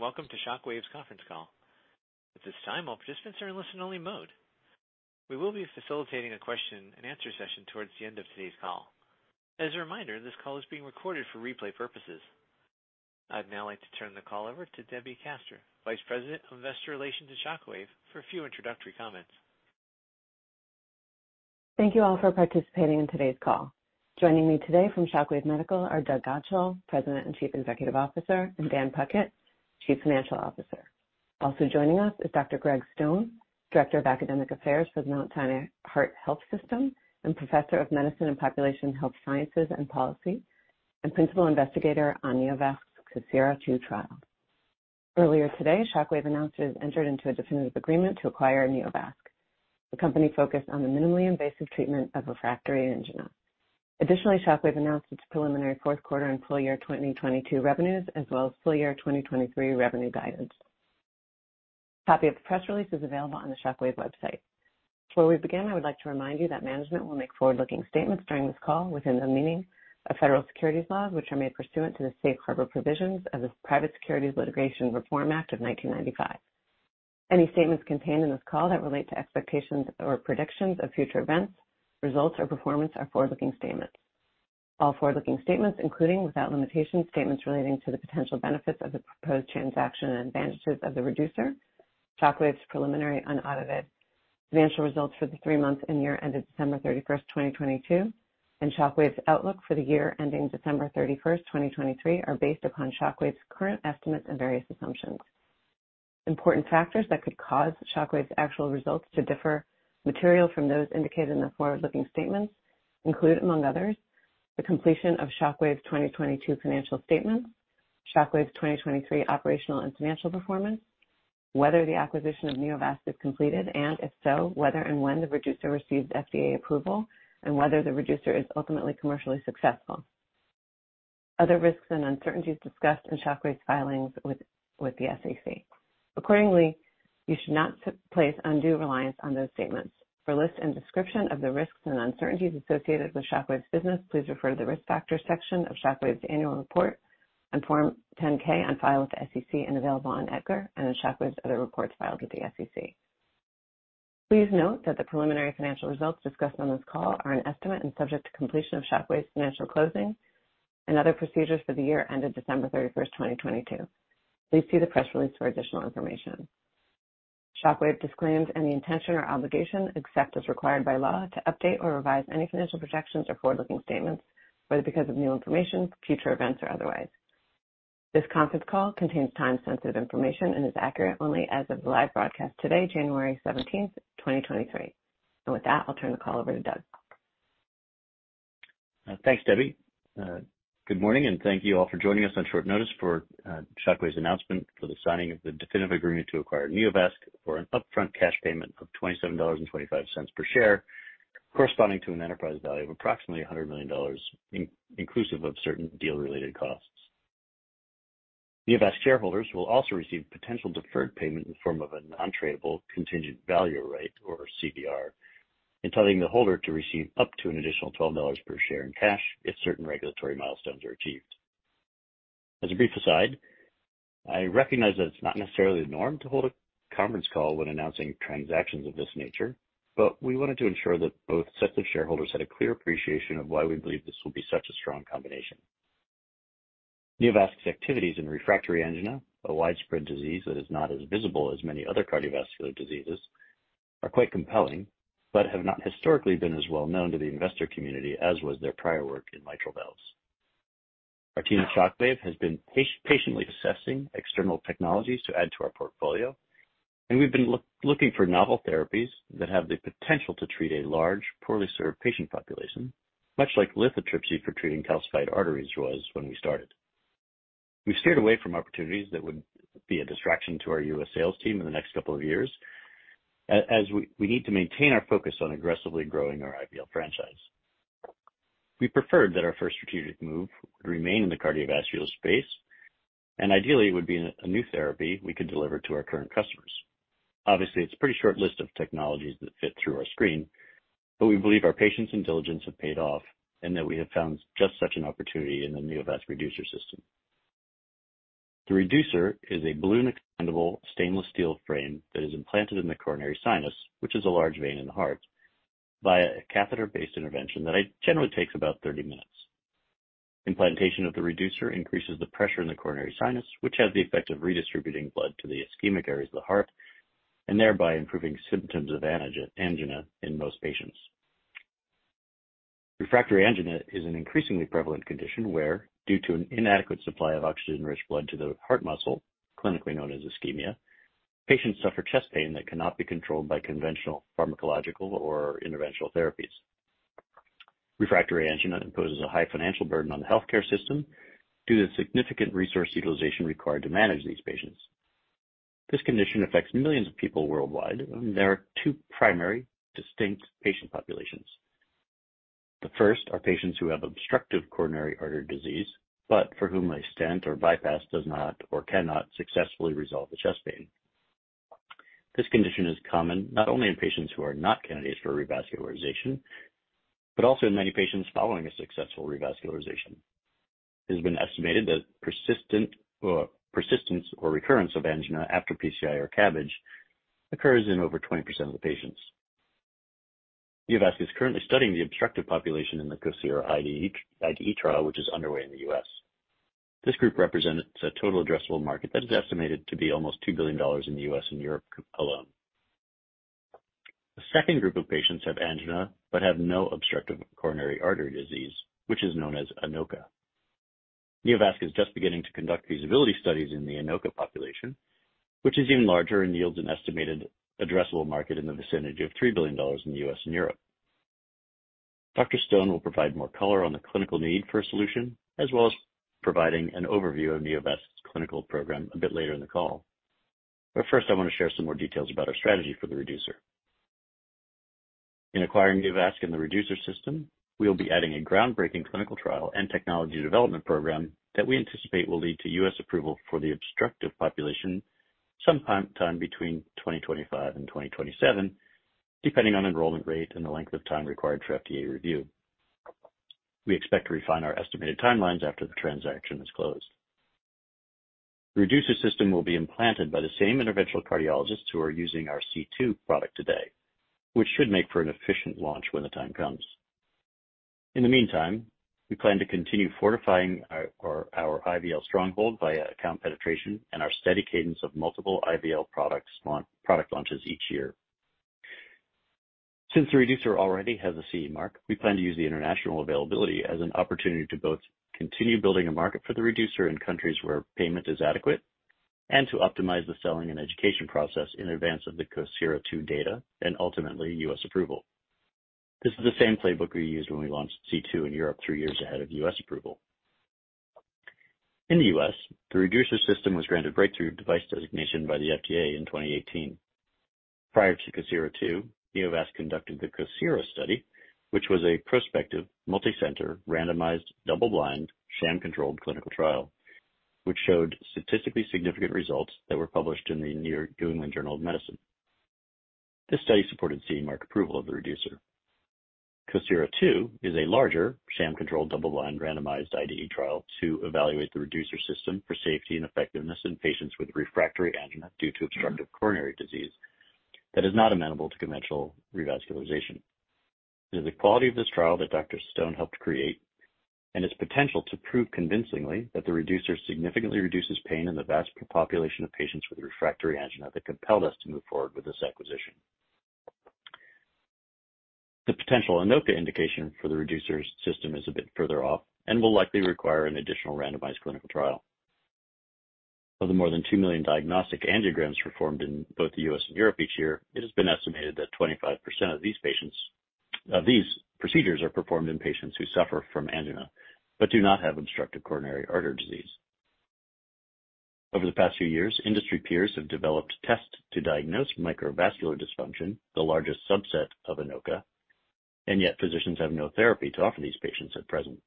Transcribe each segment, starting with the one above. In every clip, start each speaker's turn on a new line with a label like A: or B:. A: Morning, and welcome to Shockwave's conference call. At this time, all participants are in listen-only mode. We will be facilitating a question-and-answer session towards the end of today's call. As a reminder, this call is being recorded for replay purposes. I'd now like to turn the call over to Debbie Kaster, Vice President of Investor Relations at Shockwave, for a few introductory comments.
B: Thank you all for participating in today's call. Joining me today from Shockwave Medical are Doug Godshall, President and Chief Executive Officer, and Dan Puckett, Chief Financial Officer. Also joining us is Dr. Gregg Stone, Director of Academic Affairs for the Mount Sinai Heart Health System, Professor of Medicine and Population Health Sciences and Policy, and Principal Investigator on Neovasc's COSIRA-II trial. Earlier today, Shockwave announced it has entered into a definitive agreement to acquire Neovasc, a company focused on the minimally invasive treatment of refractory angina. Additionally, Shockwave announced its preliminary fourth quarter and full year 2022 revenues, as well as full year 2023 revenue guidance. A copy of the press release is available on the Shockwave website. Before we begin, I would like to remind you that management will make forward-looking statements during this call within the meaning of federal securities laws, which are made pursuant to the Safe Harbor provisions of the Private Securities Litigation Reform Act of 1995. Any statements contained in this call that relate to expectations or predictions of future events, results, or performance are forward-looking statements. All forward-looking statements, including, without limitation, statements relating to the potential benefits of the proposed transaction and advantages of the Reducer, Shockwave's preliminary unaudited financial results for the three months and year ended December 31st, 2022, Shockwave's outlook for the year ending December 31st, 2023, are based upon Shockwave's current estimates and various assumptions. Important factors that could cause Shockwave's actual results to differ materially from those indicated in the forward-looking statements include, among others, the completion of Shockwave's 2022 financial statements, Shockwave's 2023 operational and financial performance, whether the acquisition of Neovasc is completed, and if so, whether and when the Reducer receives FDA approval and whether the Reducer is ultimately commercially successful. Other risks and uncertainties discussed in Shockwave's filings with the SEC. Accordingly, you should not place undue reliance on those statements. For a list and description of the risks and uncertainties associated with Shockwave's business, please refer to the Risk Factors section of Shockwave's annual report on Form 10-K on file with the SEC and available on EDGAR, and in Shockwave's other reports filed with the SEC. Please note that the preliminary financial results discussed on this call are an estimate and subject to completion of Shockwave's financial closing and other procedures for the year ended December 31st, 2022. Please see the press release for additional information. Shockwave disclaims any intention or obligation, except as required by law, to update or revise any financial projections or forward-looking statements, whether because of new information, future events, or otherwise. This conference call contains time-sensitive information and is accurate only as of the live broadcast today, January 17th, 2023. With that, I'll turn the call over to Doug.
C: Thanks, Debbie. Good morning, and thank you all for joining us on short notice for Shockwave's announcement for the signing of the definitive agreement to acquire Neovasc for an upfront cash payment of $27.25 per share, corresponding to an enterprise value of approximately $100 million, inclusive of certain deal-related costs. Neovasc shareholders will also receive a potential deferred payment in the form of a non-tradable contingent value right, or CVR, entitling the holder to receive up to an additional $12 per share in cash if certain regulatory milestones are achieved. As a brief aside, I recognize that it's not necessarily the norm to hold a conference call when announcing transactions of this nature, but we wanted to ensure that both sets of shareholders had a clear appreciation of why we believe this will be such a strong combination. Neovasc's activities in refractory angina, a widespread disease that is not as visible as many other cardiovascular diseases, are quite compelling, but have not historically been as well known to the investor community as was their prior work in mitral valves. Our team at Shockwave has been patiently assessing external technologies to add to our portfolio, and we've been looking for novel therapies that have the potential to treat a large, poorly served patient population, much like lithotripsy for treating calcified arteries was when we started. We've steered away from opportunities that would be a distraction to our U.S. sales team in the next couple of years, as we need to maintain our focus on aggressively growing our IVL franchise. We preferred that our first strategic move would remain in the cardiovascular space, and ideally, it would be a new therapy we could deliver to our current customers. Obviously, it's a pretty short list of technologies that fit through our screen, but we believe our patience and diligence have paid off and that we have found just such an opportunity in the Neovasc Reducer system. The Reducer is a balloon expandable stainless steel frame that is implanted in the coronary sinus, which is a large vein in the heart, via a catheter-based intervention that generally takes about 30 minutes. Implantation of the Reducer increases the pressure in the coronary sinus, which has the effect of redistributing blood to the ischemic areas of the heart and thereby improving symptoms of angina in most patients. Refractory angina is an increasingly prevalent condition where, due to an inadequate supply of oxygen-rich blood to the heart muscle, clinically known as ischemia, patients suffer chest pain that cannot be controlled by conventional pharmacological or interventional therapies. Refractory angina imposes a high financial burden on the healthcare system due to the significant resource utilization required to manage these patients. This condition affects millions of people worldwide, and there are two primary distinct patient populations. The first are patients who have obstructive coronary artery disease, but for whom a stent or bypass does not or cannot successfully resolve the chest pain. This condition is common not only in patients who are not candidates for revascularization, but also in many patients following a successful revascularization. It has been estimated that persistence or recurrence of angina after PCI or CABG occurs in over 20% of patients. Neovasc is currently studying the obstructive population in the COSIRA IDE trial, which is underway in the U.S. This group represents a total addressable market that is estimated to be almost $2 billion in the U.S. and Europe alone. The second group of patients have angina but have no obstructive coronary artery disease, which is known as NOCA. Neovasc is just beginning to conduct feasibility studies in the NOCA population, which is even larger and yields an estimated addressable market in the vicinity of $3 billion in the U.S. and Europe. Dr. Stone will provide more color on the clinical need for a solution, as well as providing an overview of Neovasc's clinical program a bit later in the call. First, I want to share some more details about our strategy for the Reducer. In acquiring Neovasc and the Reducer system, we will be adding a groundbreaking clinical trial and technology development program that we anticipate will lead to U.S. approval for the obstructive population sometime between 2025 and 2027, depending on enrollment rate and the length of time required for FDA review. We expect to refine our estimated timelines after the transaction is closed. The Reducer system will be implanted by the same interventional cardiologists who are using our C2 product today, which should make for an efficient launch when the time comes. In the meantime, we plan to continue fortifying our IVL stronghold via account penetration and our steady cadence of multiple IVL product launches each year. Since the Reducer already has a CE mark, we plan to use the international availability as an opportunity to both continue building a market for the Reducer in countries where payment is adequate and to optimize the selling and education process in advance of the COSIRA-II data and ultimately U.S. approval. This is the same playbook we used when we launched C2 in Europe three years ahead of U.S. approval. In the U.S., the Reducer system was granted abreakthrough device designation by the FDA in 2018. Prior to COSIRA II, Neovasc conducted the COSIRA study, which was a prospective, multicenter, randomized, double-blind, sham-controlled clinical trial which showed statistically significant results that were published in "The New England Journal of Medicine." This study supported CE mark approval of the Reducer. COSIRA II is a larger sham-controlled double-blind randomized IDE trial to evaluate the Reducer system for safety and effectiveness in patients with refractory angina due to obstructive coronary disease that is not amenable to conventional revascularization. It is the quality of this trial that Dr. Stone helped create and its potential to prove convincingly that the Reducer significantly reduces pain in the vast population of patients with refractory angina that compelled us to move forward with this acquisition. The potential NOCA indication for the Reducer system is a bit further off and will likely require an additional randomized clinical trial. Of the more than 2 million diagnostic angiograms performed in both the U.S. and Europe each year, it has been estimated that 25% of these procedures are performed in patients who suffer from angina but do not have obstructive coronary artery disease. Over the past few years, industry peers have developed tests to diagnose microvascular dysfunction, the largest subset of NOCA. Yet physicians have no therapy to offer these patients at present.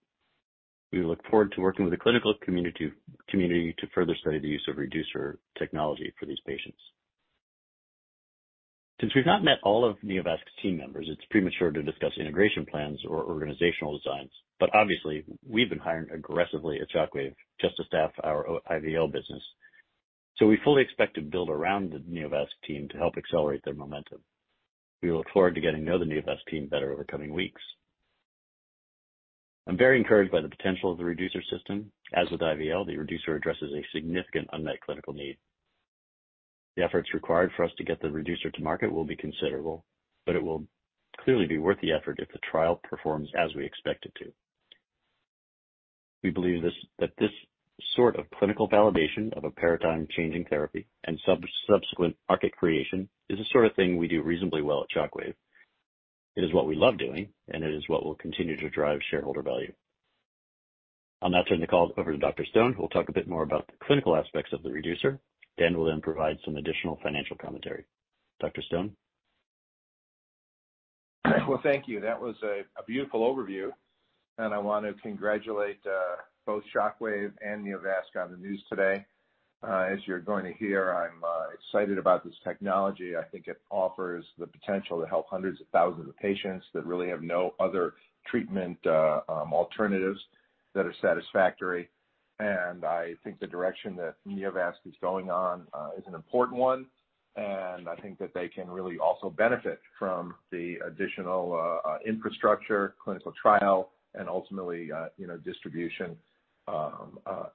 C: We look forward to working with the clinical community to further study the use of Reducer technology for these patients. Since we've not met all of Neovasc's team members, it's premature to discuss integration plans or organizational designs. Obviously, we've been hiring aggressively at Shockwave just to staff our IVL business. We fully expect to build around the Neovasc team to help accelerate their momentum. We look forward to getting to know the Neovasc team better over the coming weeks. I'm very encouraged by the potential of the Reducer system. As with IVL, the Reducer addresses a significant unmet clinical need. The efforts required for us to get the Reducer to market will be considerable, but it will clearly be worth the effort if the trial performs as we expect it to. We believe that this sort of clinical validation of a paradigm-changing therapy and subsequent market creation is the sort of thing we do reasonably well at Shockwave. It is what we love doing, and it is what will continue to drive shareholder value. I'll now turn the call over to Dr. Stone, who will talk a bit more about the clinical aspects of the Reducer. Dan will then provide some additional financial commentary. Dr. Stone?
D: Well, thank you. That was a beautiful overview, and I want to congratulate both Shockwave and Neovasc on the news today. As you're going to hear, I'm excited about this technology. I think it offers the potential to help hundreds of thousands of patients that really have no other treatment alternatives that are satisfactory. I think the direction that Neovasc is going on is an important one, and I think that they can really also benefit from the additional infrastructure, clinical trial, and ultimately distribution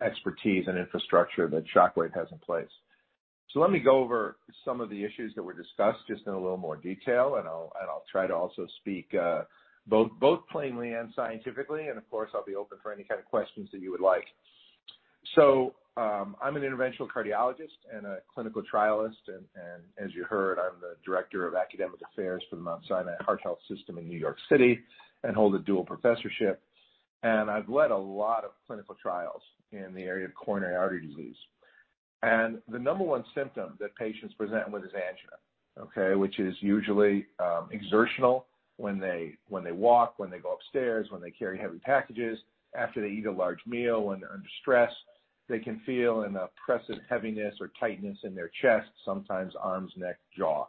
D: expertise and infrastructure that Shockwave has in place. Let me go over some of the issues that were discussed just in a little more detail, and I'll try to also speak both plainly and scientifically, and of course, I'll be open for any kind of questions that you would like. I'm an interventional cardiologist and a clinical trialist, and as you heard, I'm the Director of Academic Affairs for the Mount Sinai Heart Health System in New York City and hold a dual professorship. I've led a lot of clinical trials in the area of coronary artery disease. The number one symptom that patients present with is angina, okay. Which is usually exertional when they walk, when they go upstairs, when they carry heavy packages, after they eat a large meal, when they're under stress. They can feel an oppressive heaviness or tightness in their chest, sometimes arms, neck, jaw.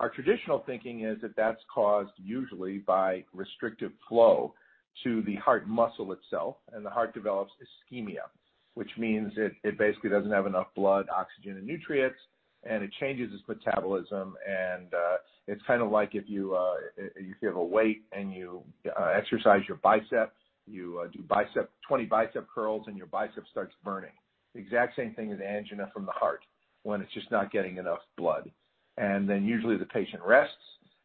D: Our traditional thinking is that that's caused usually by restricted flow to the heart muscle itself, and the heart develops ischemia, which means it basically doesn't have enough blood, oxygen, and nutrients, and it changes its metabolism. It's like if you have a weight and you exercise your biceps, you do 20 bicep curls, and your bicep starts burning. The exact same thing as angina from the heart when it's just not getting enough blood. Usually, the patient rests,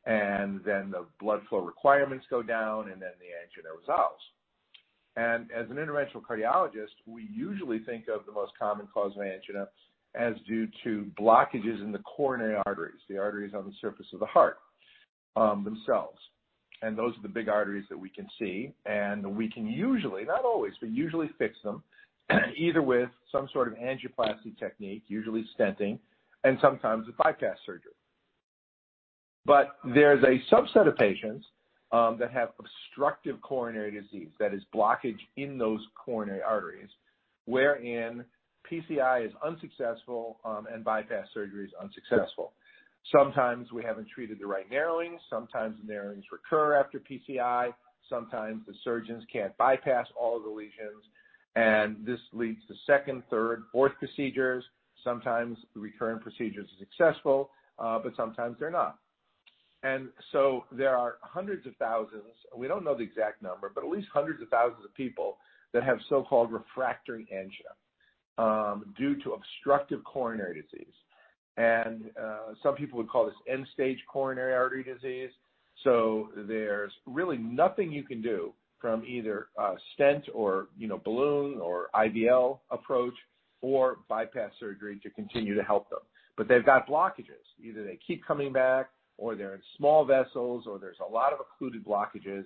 D: then the blood flow requirements go down, then the angina resolves. As an interventional cardiologist, we usually think of the most common cause of angina as due to blockages in the coronary arteries, the arteries on the surface of the heart themselves. Those are the big arteries that we can see, and we can usually, not always, but usually fix them either with some sort of angioplasty technique, usually stenting, and sometimes a bypass surgery. There's a subset of patients that have obstructive coronary disease, that is, blockage in those coronary arteries, wherein PCI is unsuccessful, and bypass surgery is unsuccessful. Sometimes we haven't treated the right narrowing. Sometimes the narrowing recur after PCI. Sometimes the surgeons can't bypass all of the lesions, and this leads to second, third, fourth procedures. Sometimes the recurrent procedure is successful, but sometimes they're not. There are hundreds of thousands, we don't know the exact number, but at least hundreds of thousands of people that have so-called refractory angina due to obstructive coronary disease. Some people would call this end-stage coronary artery disease. There's really nothing you can do from either a stent or balloon, or IVL approach, or bypass surgery to continue to help them. They've got blockages. Either they keep coming back, or they're in small vessels, or there's a lot of occluded blockages.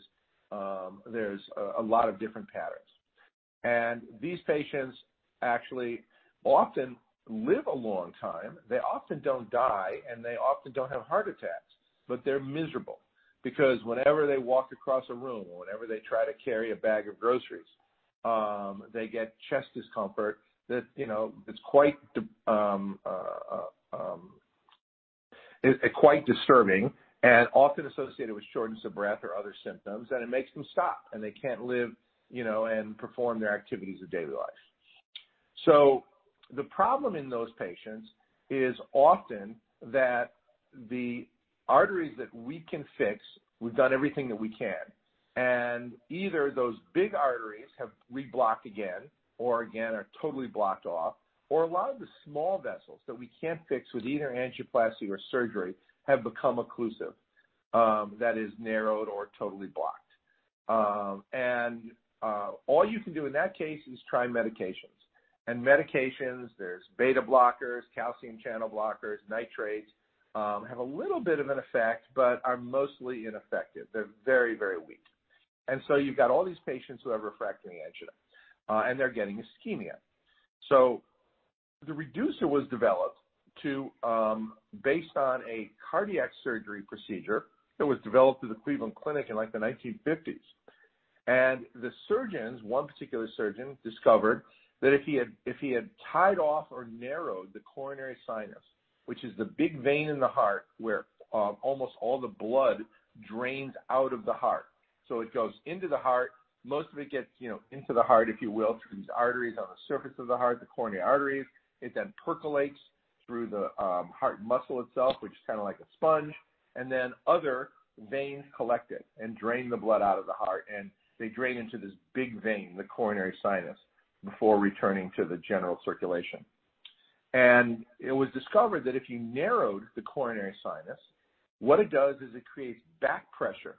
D: There's a lot of different patterns. These patients actually often live a long time. They often don't die, and they often don't have heart attacks, but they're miserable because whenever they walk across a room or whenever they try to carry a bag of groceries, they get chest discomfort that is quite disturbing and often associated with shortness of breath or other symptoms, and it makes them stop. They can't live and perform their activities of daily life. The problem in those patients is often that the arteries that we can fix, we've done everything that we can, and either those big arteries have reblocked again or, again, are totally blocked off. A lot of the small vessels that we can't fix with either angioplasty or surgery have become occlusive, that is, narrowed or totally blocked. All you can do in that case is try medications. Medications, such as beta blockers, calcium channel blockers, nitrates, have a little bit of an effect, but are mostly ineffective. They're very, very weak. You've got all these patients who have refractory angina, and they're getting ischemia. The Reducer was developed based on a cardiac surgery procedure that was developed at the Cleveland Clinic in the 1950s. The surgeons, one particular surgeon, discovered that if he had tied off or narrowed the coronary sinus, which is the big vein in the heart where almost all the blood drains out of the heart. It goes into the heart. Most of it gets into the heart, if you will, through these arteries on the surface of the heart, the coronary arteries. It then percolates through the heart muscle itself, which is like a sponge. Other veins collect it and drain the blood out of the heart, and they drain into this big vein, the coronary sinus, before returning to the general circulation. It was discovered that if you narrowed the coronary sinus, what it does is it creates back pressure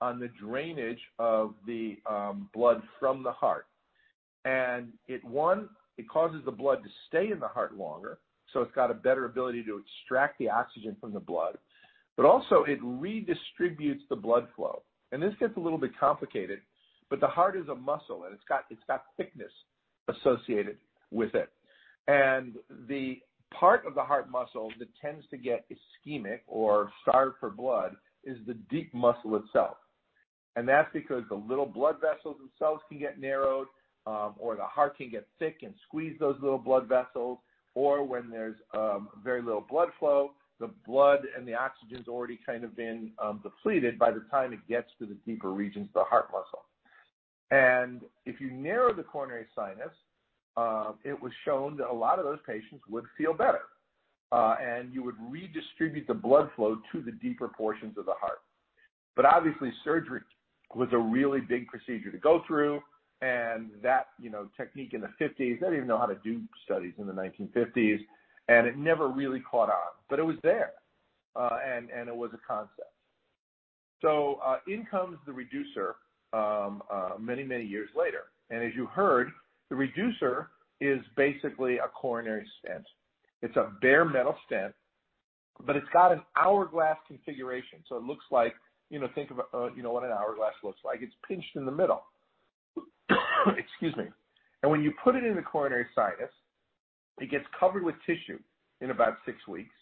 D: on the drainage of the blood from the heart. It, one, it causes the blood to stay in the heart longer, so it's got a better ability to extract the oxygen from the blood, but also it redistributes the blood flow. This gets a little bit complicated, but the heart is a muscle, and it's got thickness associated with it. The part of the heart muscle that tends to get ischemic or starved for blood is the deep muscle itself. That's because the little blood vessels themselves can get narrowed, or the heart can get thick and squeeze those little blood vessels. When there's very little blood flow, the blood and the oxygen's already kind of been depleted by the time it gets to the deeper regions of the heart muscle. If you narrow the coronary sinus, it was shown that a lot of those patients would feel better. You would redistribute the blood flow to the deeper portions of the heart. Obviously, surgery was a really big procedure to go through, and that technique in the 1950s, they didn't even know how to do studies in the 1950s, and it never really caught on. It was there. It was a concept. In comes the Reducer, many, many years later, as you heard, the Reducer is basically a coronary stent. It's a bare metal stent, but it's got an hourglass configuration. It looks like, think of what an hourglass looks like. It's pinched in the middle. Excuse me. When you put it in the coronary sinus. It gets covered with tissue in about six weeks,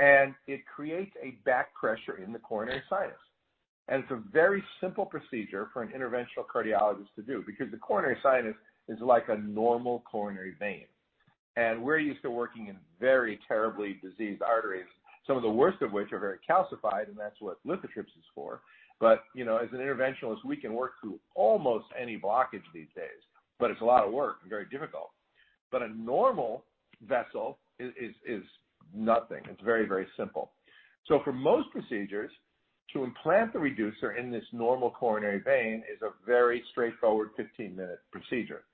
D: it creates a back pressure in the coronary sinus. It's a very simple procedure for an interventional cardiologist to do because the coronary sinus is like a normal coronary vein. We're used to working in very terribly diseased arteries, some of the worst of which are very calcified, that's what lithotripsy is for. As an interventionalist, we can work through almost any blockage these days, but it's a lot of work and very difficult. A normal vessel is nothing. It's very simple. For most procedures, to implant the Reducer in this normal coronary vein is a very straightforward 15-minute procedure.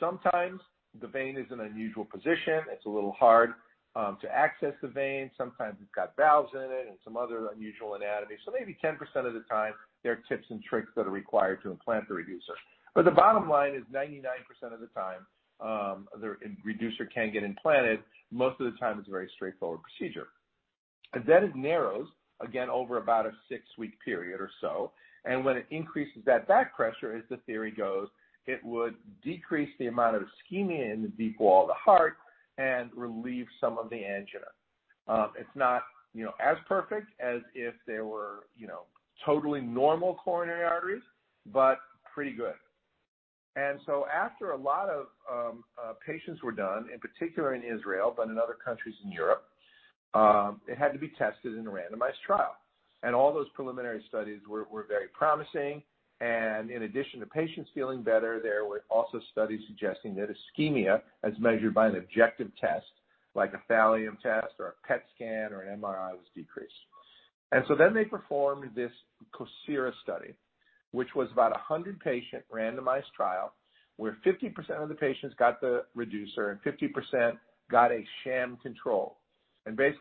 D: Sometimes the vein is in an unusual position. It's a little hard to access the vein. Sometimes it's got valves in it and some other unusual anatomy. Maybe 10% of the time, there are tips and tricks that are required to implant the Reducer. The bottom line is 99% of the time, the Reducer can get implanted. Most of the time, it's a very straightforward procedure. It narrows, again, over about a six-week period or so. When it increases the back pressure, as the theory goes, it would decrease the amount of ischemia in the deep wall of the heart and relieve some of the angina. It's not as perfect as if they were totally normal coronary arteries, but pretty good. After a lot of patients were done, in particular in Israel, but in other countries in Europe, it had to be tested in a randomized trial. All those preliminary studies were very promising. In addition to patients feeling better, there were also studies suggesting that ischemia, as measured by an objective test, like a thallium test or a PET scan or an MRI, was decreased. They performed this COSIRA study, which was a 100-patient randomized trial, where 50% of the patients got the Reducer and 50% got a sham control.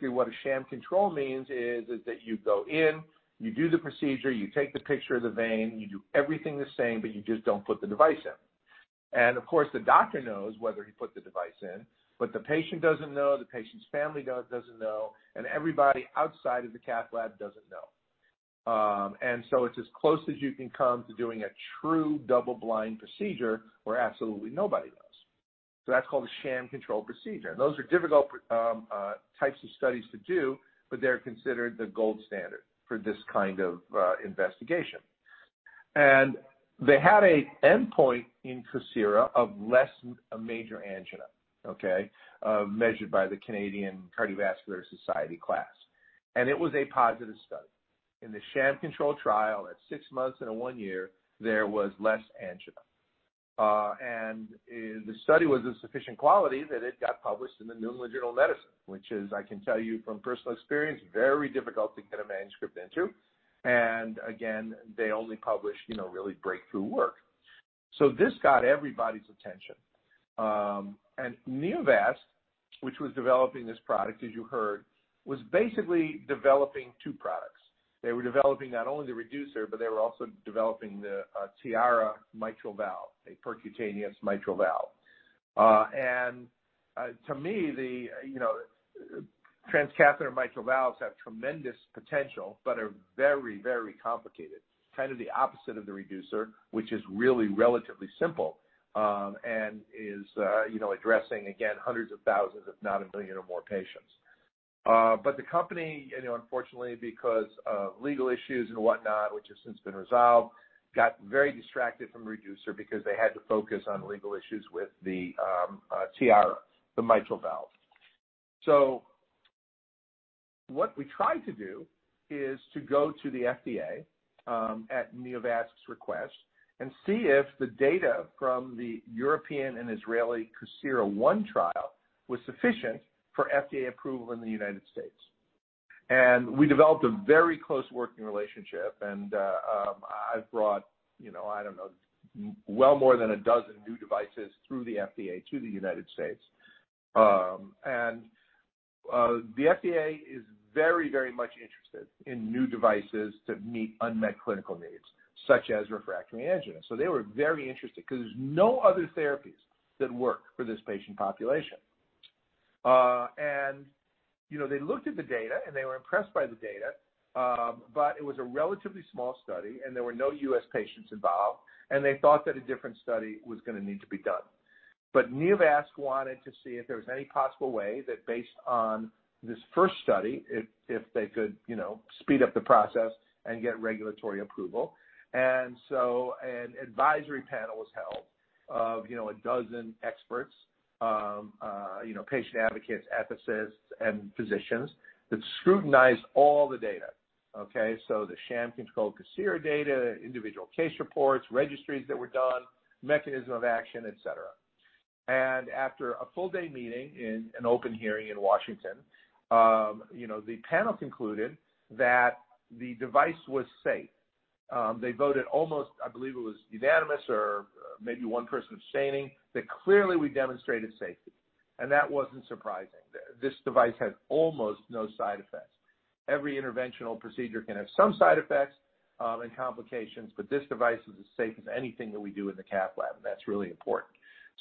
D: What a sham control means is that you go in, you do the procedure, you take the picture of the vein, you do everything the same, but you just don't put the device in. Of course, the doctor knows whether he put the device in, but the patient doesn't know, the patient's family doesn't know, and everybody outside of the cath lab doesn't know. It's as close as you can come to doing a true double-blind procedure where absolutely nobody knows. That's called a sham control procedure, those are difficult types of studies to do, but they're considered the gold standard for this kind of investigation. They had an endpoint in COSIRA of less major angina measured by the Canadian Cardiovascular Society class. It was a positive study. In the sham control trial, at six months and a one year, there was less angina. The study was of sufficient quality that it got published in The New England Journal of Medicine, which is, I can tell you from personal experience, very difficult to get a manuscript into. Again, they only publish really breakthrough work. This got everybody's attention. Neovasc, which was developing this product, as you heard, was basically developing two products. They were developing not only the Reducer, but they were also developing the Tiara mitral valve, a percutaneous mitral valve. To me, transcatheter mitral valves have tremendous potential but are very complicated. Kind of the opposite of the Reducer, which is really relatively simple, and is addressing, again, hundreds of thousands, if not 1 million or more patients. The company, unfortunately, because of legal issues and whatnot, which has since been resolved, got very distracted from Reducer because they had to focus on legal issues with the Tiara, the mitral valve. What we tried to do is to go to the FDA, at Neovasc's request, and see if the data from the European and Israeli COSIRA-I trial was sufficient for FDA approval in the United States. We developed a very close working relationship, and I've brought well more than 12 new devices through the FDA to the United States. The FDA is very much interested in new devices to meet unmet clinical needs, such as refractory angina. They were very interested because there's no other therapies that work for this patient population. They looked at the data, they were impressed by the data, but it was a relatively small study, there were no U.S. patients involved, they thought that a different study was going to need to be done. Neovasc wanted to see if there was any possible way that based on this first study, if they could speed up the process and get regulatory approval. An advisory panel was held of a dozen experts, patient advocates, ethicists, and physicians that scrutinized all the data. The sham control COSIRA data, individual case reports, registries that were done, mechanism of action, et cetera. After a full day meeting in an open hearing in Washington, the panel concluded that the device was safe. They voted almost, I believe it was unanimous or maybe one person abstaining, that clearly we demonstrated safety, that wasn't surprising. This device had almost no side effects. Every interventional procedure can have some side effects and complications, but this device is as safe as anything that we do in the cath lab, and that's really important.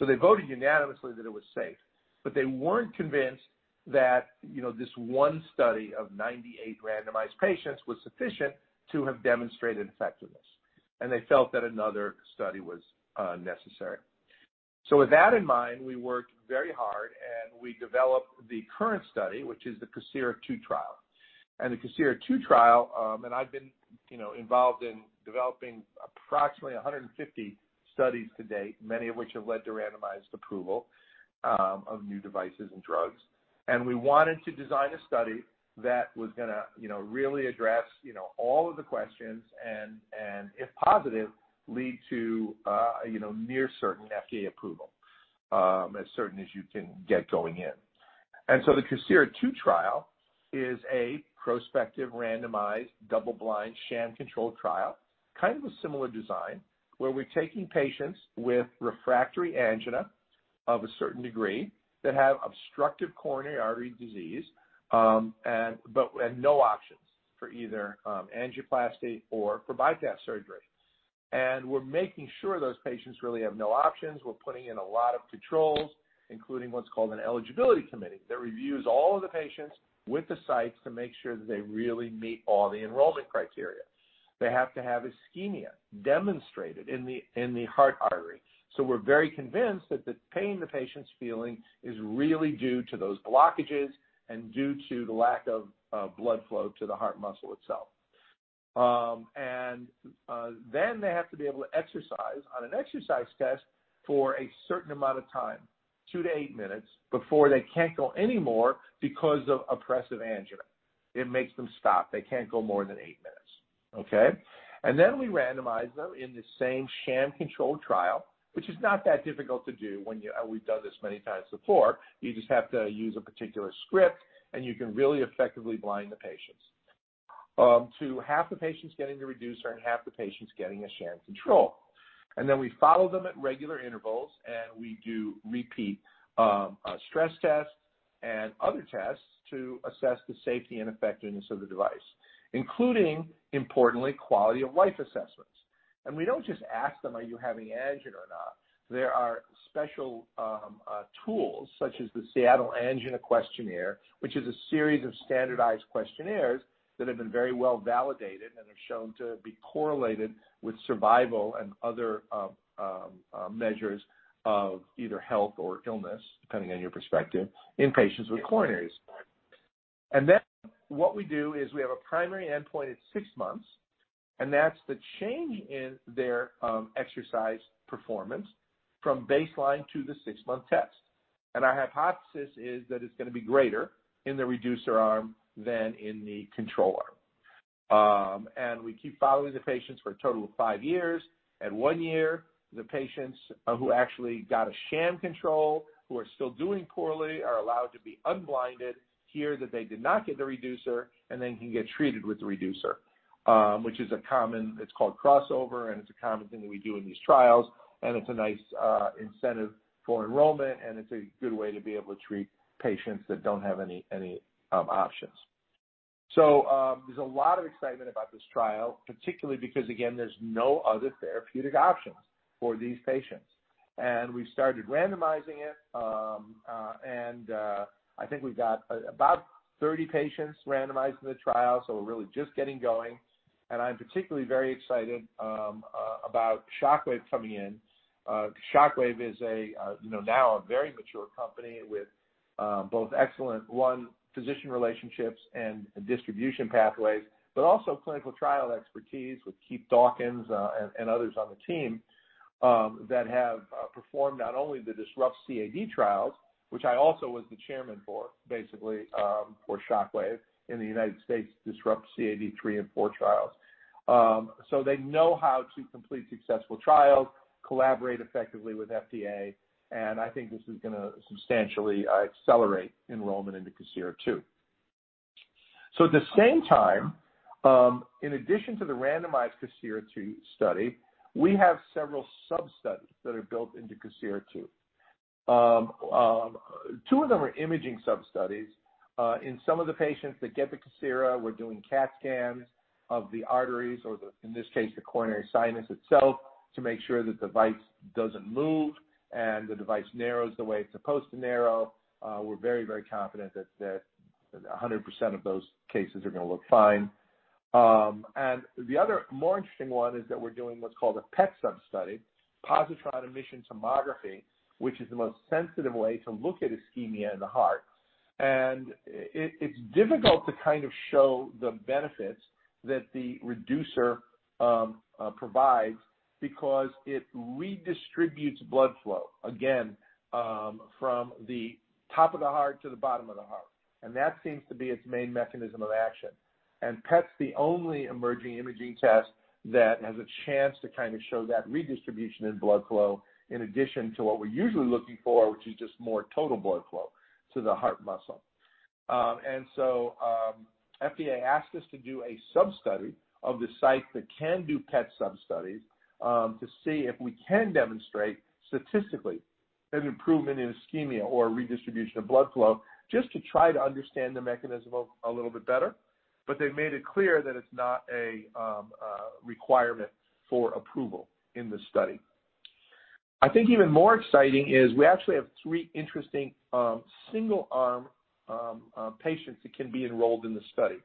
D: They voted unanimously that it was safe, but they weren't convinced that this one study of 98 randomized patients was sufficient to have demonstrated effectiveness. They felt that another study was necessary. With that in mind, we worked very hard, and we developed the current study, which is the COSIRA-II trial. The COSIRA-II trial, and I've been involved in developing approximately 150 studies to date, many of which have led to randomized approval of new devices and drugs. We wanted to design a study that was going to really address all of the questions and, if positive, lead to near-certain FDA approval, as certain as you can get going in. So the COSIRA-II trial is a prospective, randomized, double-blind, sham-controlled trial, kind of a similar design, where we're taking patients with refractory angina of a certain degree that have obstructive coronary artery disease and no options for either angioplasty or bypass surgery. We're making sure those patients really have no options. We're putting in a lot of controls, including what's called an eligibility committee, that reviews all of the patients with the sites to make sure that they really meet all the enrollment criteria. They have to have ischemia demonstrated in the heart artery. We're very convinced that the pain the patient's feeling is really due to those blockages and due to the lack of blood flow to the heart muscle itself. Then they have to be able to exercise on an exercise test for a certain amount of time, 2-8 minutes, before they can't go anymore because of oppressive angina. It makes them stop. They can't go more than eight minutes. Okay? Then we randomize them in the same sham-controlled trial, which is not that difficult to do. We've done this many times before. You just have to use a particular script, and you can really effectively blind the patients to half the patients getting the Reducer and half the patients getting a sham control. Then we follow them at regular intervals, and we do repeat stress tests and other tests to assess the safety and effectiveness of the device, including, importantly, quality-of-life assessments. We don't just ask them, "Are you having angina or not?" There are special tools, such as the Seattle Angina Questionnaire, which is a series of standardized questionnaires that have been very well-validated and have shown to be correlated with survival and other measures of either health or illness, depending on your perspective, in patients with coronary disease. Then what we do is we have a primary endpoint at six months, and that's the change in their exercise performance from baseline to the six-month test. Our hypothesis is that it's going to be greater in the Reducer arm than in the control arm. We keep following the patients for a total of five years. At one year, the patients who actually got a sham control who are still doing poorly are allowed to be unblinded, hear that they did not get the Reducer, then can get treated with the Reducer. It's called crossover, it's a common thing that we do in these trials, it's a nice incentive for enrollment, it's a good way to be able to treat patients that don't have any options. There's a lot of excitement about this trial, particularly because, again, there's no other therapeutic options for these patients. We've started randomizing it. I think we've got about 30 patients randomized in the trial. We're really just getting going. I'm particularly very excited about Shockwave coming in. Shockwave is now a very mature company with both excellent, one, physician relationships and distribution pathways, but also clinical trial expertise with Keith Dawkins and others on the team that have performed not only the Disrupt CAD trials, which I also was the chairman for, basically for Shockwave in the U.S., Disrupt CAD III and IV trials. They know how to complete successful trials, collaborate effectively with FDA, and I think this is going to substantially accelerate enrollment into COSIRA-II. At the same time, in addition to the randomized COSIRA-II study, we have several sub-studies that are built into COSIRA-II. Two of them are imaging sub-studies. In some of the patients that get the COSIRA, we're doing CAT scans of the arteries or, in this case, the coronary sinus itself to make sure the device doesn't move and the device narrows the way it's supposed to narrow. We're very confident that 100% of those cases are going to look fine. The other, more interesting one is that we're doing what's called a PET sub-study, positron emission tomography, which is the most sensitive way to look at ischemia in the heart. It's difficult to show the benefits that the Reducer provides because it redistributes blood flow, again, from the top of the heart to the bottom of the heart, and that seems to be its main mechanism of action. PET's the only emerging imaging test that has a chance to show that redistribution in blood flow in addition to what we're usually looking for, which is just more total blood flow to the heart muscle. FDA asked us to do a sub-study of the sites that can do PET sub-studies to see if we can demonstrate statistically an improvement in ischemia or redistribution of blood flow, just to try to understand the mechanism a little bit better. They made it clear that it's not a requirement for approval in the study. I think even more exciting is we actually have three interesting single-arm patients that can be enrolled in the study.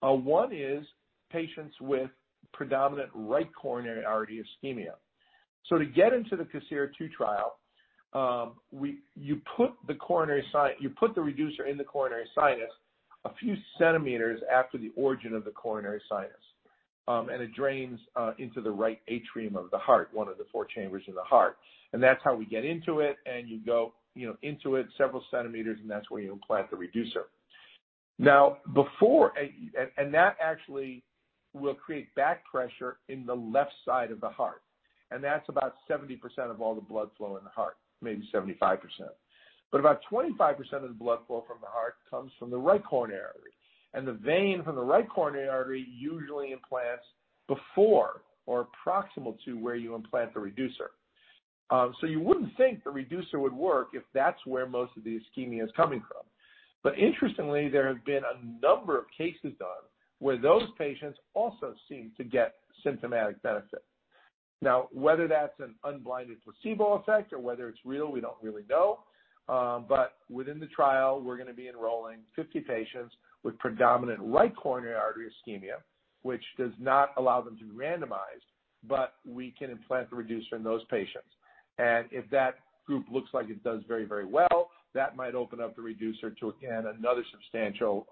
D: One is patients with predominant right coronary artery ischemia. To get into the COSIRA-II trial, you put the Reducer in the coronary sinus a few centimeters after the origin of the coronary sinus, and it drains into the right atrium of the heart, one of the four chambers in the heart. That's how we get into it, and you go into it several centimeters, and that's where you implant the Reducer. That actually will create back pressure in the left side of the heart, and that's about 70% of all the blood flow in the heart, maybe 75%. About 25% of the blood flow from the heart comes from the right coronary artery. The vein from the right coronary artery usually implants before or proximal to where you implant the Reducer. You wouldn't think the Reducer would work if that's where most of the ischemia is coming from. Interestingly, there have been a number of cases done where those patients also seem to get symptomatic benefit. Now, whether that's an unblinded placebo effect or whether it's real, we don't really know. Within the trial, we're going to be enrolling 50 patients with predominant right coronary artery ischemia, which does not allow them to be randomized. We can implant the Reducer in those patients. If that group looks like it does very well, that might open up the Reducer to, again, another substantial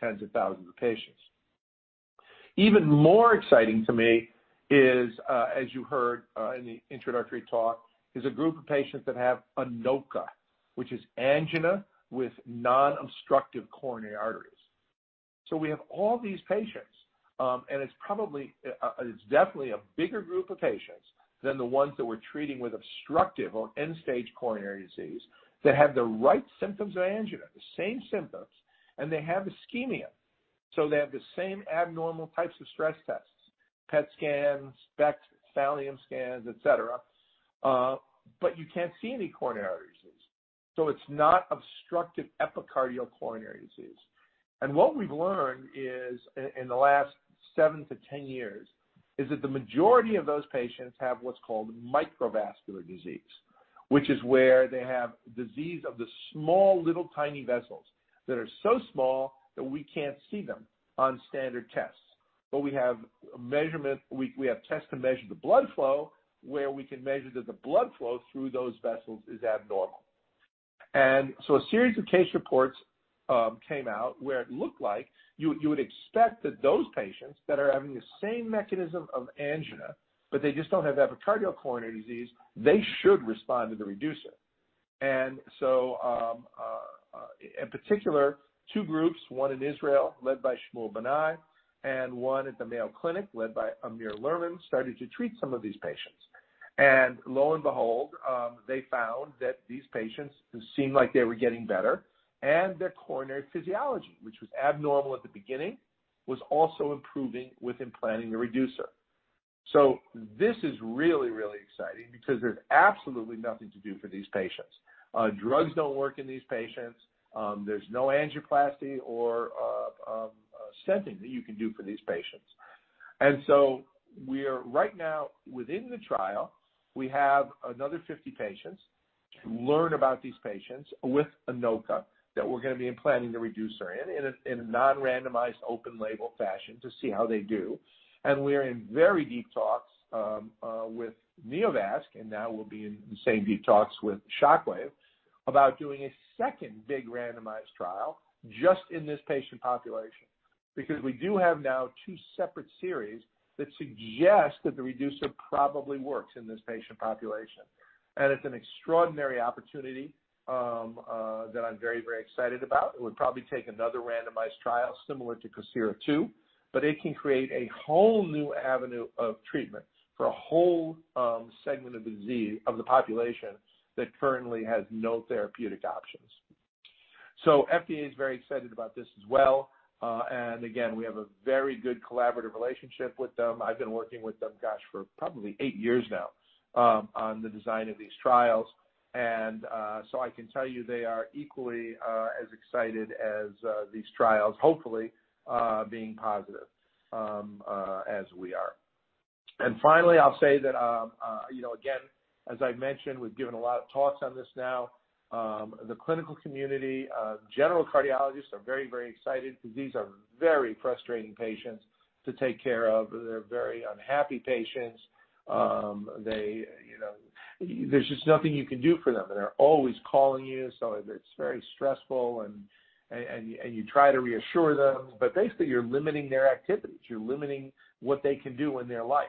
D: tens of thousands of patients. Even more exciting to me is, as you heard in the introductory talk, is a group of patients that have ANOCA, which is angina with non-obstructive coronary arteries. We have all these patients, and it's definitely a bigger group of patients than the ones that we're treating with obstructive or end-stage coronary disease that have the right symptoms of angina, the same symptoms, and they have ischemia, so they have the same abnormal types of stress tests, PET scans, SPECT, thallium scans, et cetera, but you can't see any coronary artery disease. It's not obstructive epicardial coronary disease. What we've learned in the last 7-10 years is that the majority of those patients have what's called microvascular disease, which is where they have disease of the small, little, tiny vessels that are so small that we can't see them on standard tests. We have tests to measure the blood flow, where we can measure that the blood flow through those vessels is abnormal. A series of case reports came out where it looked like you would expect that those patients that are having the same mechanism of angina, but they just don't have epicardial coronary disease, they should respond to the Reducer. In particular, two groups, one in Israel led by Shmuel Banai and one at the Mayo Clinic led by Amir Lerman, started to treat some of these patients. Lo and behold, they found that these patients who seemed like they were getting better, and their coronary physiology, which was abnormal at the beginning, was also improving with implanting the Reducer. This is really exciting because there's absolutely nothing to do for these patients. Drugs don't work in these patients. There's no angioplasty or stenting that you can do for these patients. Right now, within the trial, we have another 50 patients to learn about these patients with ANOCA that we're going to be implanting the Reducer in a non-randomized, open-label fashion to see how they do. We're in very deep talks with Neovasc, and now we'll be in the same deep talks with Shockwave about doing a second big randomized trial just in this patient population. Because we do have now two separate series that suggest that the Reducer probably works in this patient population. It's an extraordinary opportunity that I'm very excited about. It would probably take another randomized trial similar to COSIRA-II, but it can create a whole new avenue of treatment for a whole segment of the population that currently has no therapeutic options. FDA is very excited about this as well. Again, we have a very good collaborative relationship with them. I've been working with them, gosh, for probably 8 years now on the design of these trials. I can tell you they are equally as excited as these trials, hopefully being positive, as we are. Finally, I'll say that again, as I've mentioned, we've given a lot of talks on this now. The clinical community, general cardiologists are very excited because these are very frustrating patients to take care of. They're very unhappy patients. There's just nothing you can do for them. They're always calling you, so it's very stressful, and you try to reassure them, but basically, you're limiting their activities. You're limiting what they can do in their life.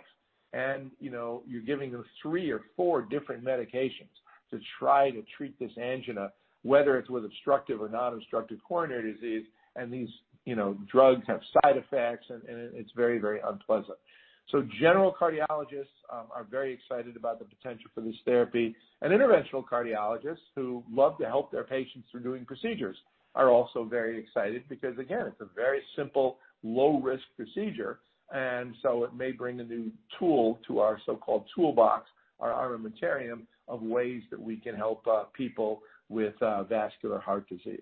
D: You're giving them three or four different medications to try to treat this angina, whether it's with obstructive or non-obstructive coronary disease, and these drugs have side effects, and it's very unpleasant. General cardiologists are very excited about the potential for this therapy. Interventional cardiologists who love to help their patients through doing procedures are also very excited because, again, it's a very simple, low-risk procedure, and so it may bring a new tool to our so-called toolbox or armamentarium of ways that we can help people with vascular heart disease.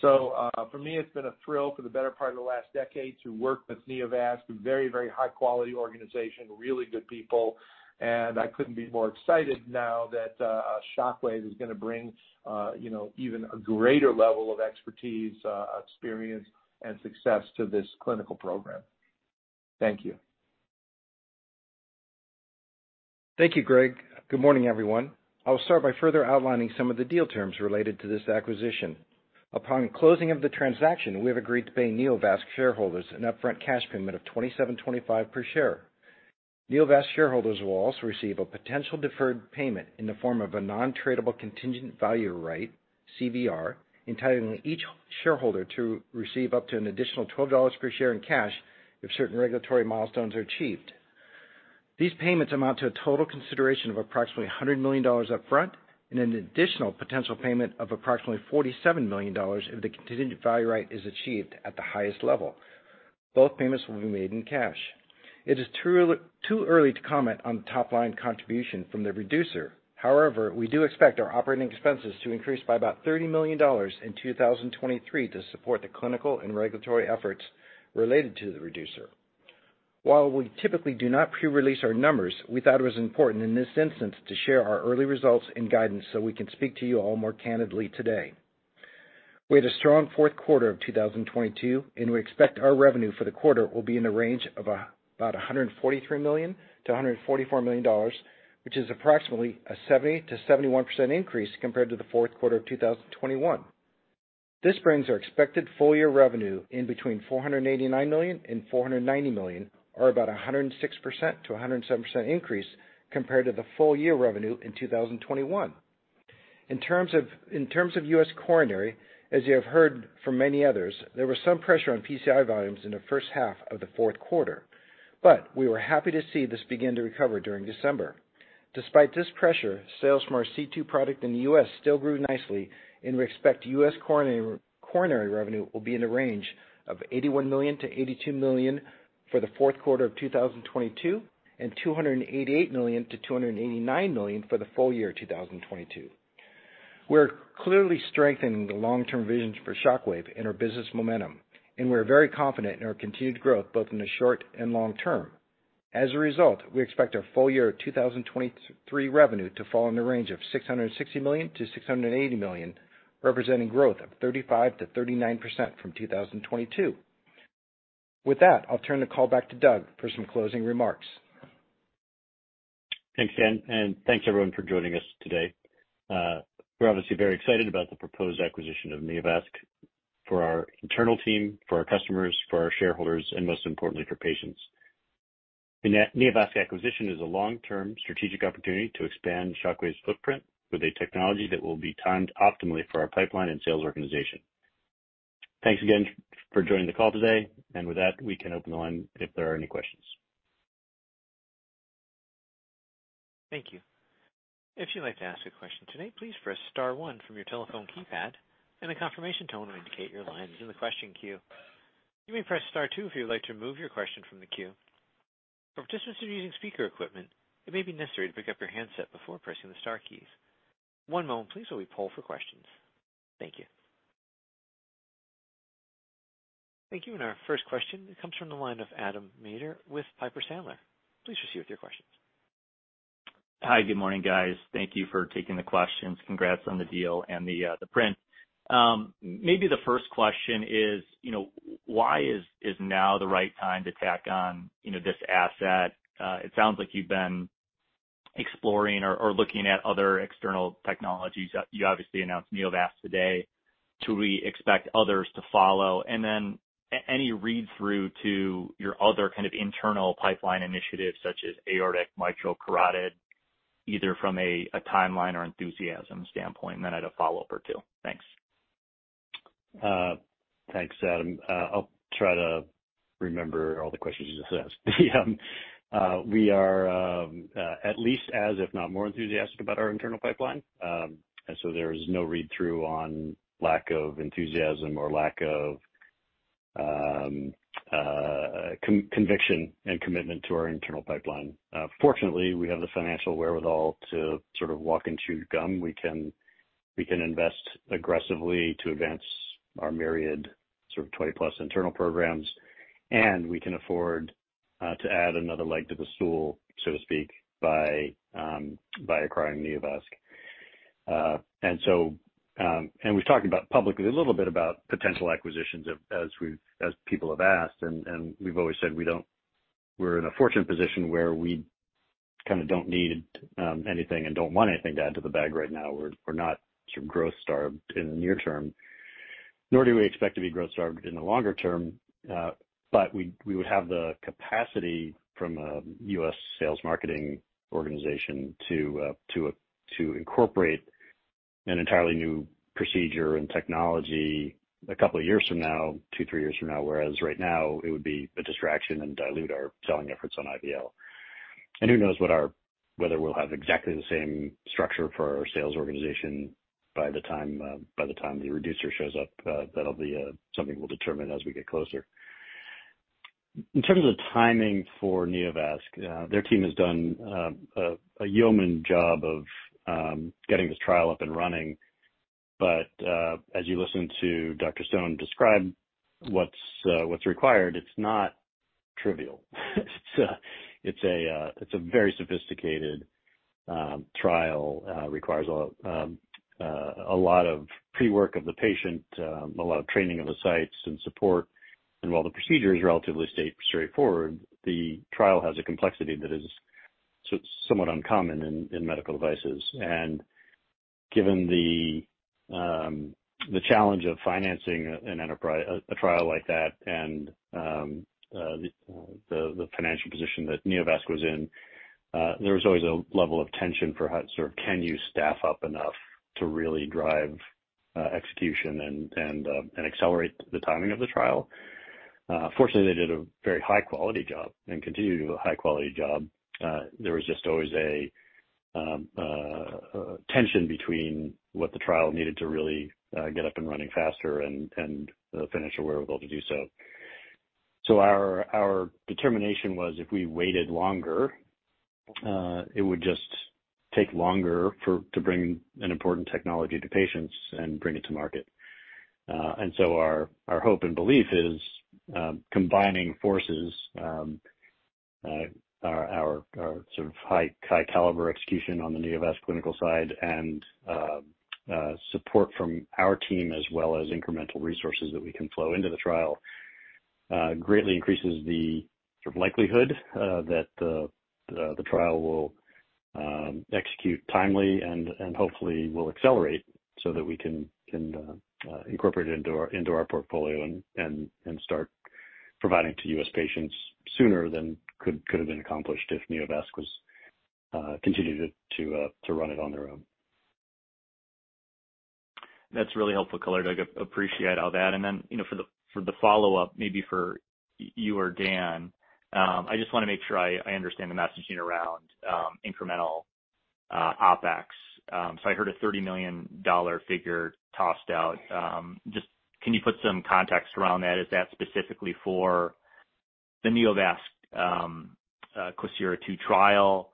D: For me, it's been a thrill for the better part of the last decade to work with Neovasc, a very high-quality organization, really good people. I couldn't be more excited now that Shockwave is going to bring even a greater level of expertise, experience, and success to this clinical program. Thank you.
E: Thank you, Gregg. Good morning, everyone. I'll start by further outlining some of the deal terms related to this acquisition. Upon closing of the transaction, we have agreed to pay Neovasc shareholders an upfront cash payment of $27.25 per share. Neovasc shareholders will also receive a potential deferred payment in the form of a non-tradable contingent value right CVR, entitling each shareholder to receive up to an additional $12 per share in cash if certain regulatory milestones are achieved. These payments amount to a total consideration of approximately $100 million up front and an additional potential payment of approximately $47 million if the contingent value right is achieved at the highest level. Both payments will be made in cash. It is too early to comment on top-line contribution from the Reducer. However, we do expect our operating expenses to increase by about $30 million in 2023 to support the clinical and regulatory efforts related to the Reducer. While we typically do not pre-release our numbers, we thought it was important in this instance to share our early results and guidance so we can speak to you all more candidly today. We had a strong fourth quarter of 2022, and we expect our revenue for the quarter will be in the range of about $143 million-$144 million, which is approximately a 70%-71% increase compared to the fourth quarter of 2021. This brings our expected full-year revenue in between $489 million and $490 million, or about 106%-107% increase compared to the full-year revenue in 2021. In terms of U.S. coronary, as you have heard from many others, there was some pressure on PCI volumes in the first half of the fourth quarter. We were happy to see this begin to recover during December. Despite this pressure, sales from our C2 product in the U.S. still grew nicely, and we expect U.S. coronary revenue will be in the range of $81 million-$82 million for the fourth quarter of 2022 and $288 million-$289 million for the full year 2022. We're clearly strengthening the long-term visions for Shockwave and our business momentum, and we're very confident in our continued growth, both in the short and long term. As a result, we expect our full-year 2023 revenue to fall in the range of $660 million-$680 million, representing growth of 35%-39% from 2022. With that, I'll turn the call back to Doug for some closing remarks.
C: Thanks, Dan, thanks, everyone, for joining us today. We're obviously very excited about the proposed acquisition of Neovasc for our internal team, for our customers, for our shareholders, and most importantly, for patients. The Neovasc acquisition is a long-term strategic opportunity to expand Shockwave's footprint with a technology that will be timed optimally for our pipeline and sales organization. Thanks again for joining the call today. With that, we can open the line if there are any questions.
A: Thank you. If you'd like to ask a question today, please press star one from your telephone keypad, and a confirmation tone will indicate your line is in the question queue. You may press star two if you would like to remove your question from the queue. For participants who are using speaker equipment, it may be necessary to pick up your handset before pressing the star keys. One moment please, while we poll for questions. Thank you. Thank you. Our first question comes from the line of Adam Maeder with Piper Sandler. Please proceed with your questions.
F: Hi. Good morning, guys. Thank you for taking the questions. Congrats on the deal and the print. Maybe the first question is, why is now the right time to tack on this asset? It sounds like you've been exploring or looking at other external technologies. You obviously announced Neovasc today. Do we expect others to follow? Any read-through to your other kind of internal pipeline initiatives, such as aortic, mitral, carotid, either from a timeline or enthusiasm standpoint? I had a follow-up or two. Thanks.
C: Thanks, Adam. I'll try to remember all the questions you just asked. So there's no read-through on lack of enthusiasm or lack of conviction and commitment to our internal pipeline. Fortunately, we have the financial wherewithal to sort of walk and chew gum. We can invest aggressively to advance our myriad sort of 20-plus internal programs, and we can afford to add another leg to the stool, so to speak, by acquiring Neovasc. We've talked about publicly a little bit about potential acquisitions as people have asked, and we've always said we're in a fortunate position where we kind of don't need anything and don't want anything to add to the bag right now. We're not sort of growth starved in the near term, nor do we expect to be growth starved in the longer term. We would have the capacity from a U.S. sales marketing organization to incorporate an entirely new procedure and technology a couple of years from now, 2, 3 years from now. Whereas right now it would be a distraction and dilute our selling efforts on IVL. Who knows whether we'll have exactly the same structure for our sales organization by the time the Reducer shows up. That'll be something we'll determine as we get closer. In terms of timing for Neovasc, their team has done a yeoman job of getting this trial up and running. As you listen to Dr. Stone describe what's required, it's not trivial. It's a very sophisticated trial, requires a lot of pre-work of the patient, a lot of training of the sites, and support. While the procedure is relatively straightforward, the trial has a complexity that is somewhat uncommon in medical devices. Given the challenge of financing a trial like that and the financial position that Neovasc was in, there was always a level of tension for sort of, can you staff up enough to really drive execution and accelerate the timing of the trial? Fortunately, they did a very high-quality job and continue to do a high-quality job. There was just always a tension between what the trial needed to really get up and running faster and the financial wherewithal to do so. Our determination was, if we waited longer, it would just take longer to bring an important technology to patients and bring it to market. Our hope and belief is, combining forces, our sort of high-caliber execution on the Neovasc clinical side and support from our team as well as incremental resources that we can flow into the trial, greatly increases the sort of likelihood that the trial will execute timely and hopefully will accelerate so that we can incorporate it into our portfolio and start providing to U.S. patients sooner than could've been accomplished if Neovasc continued to run it on their own.
F: That's really helpful, Doug. I appreciate all that. For the follow-up, maybe for you or Dan, I just want to make sure I understand the messaging around incremental OpEx. I heard a $30 million figure tossed out. Can you put some context around that? Is that specifically for the Neovasc COSIRA-II trial?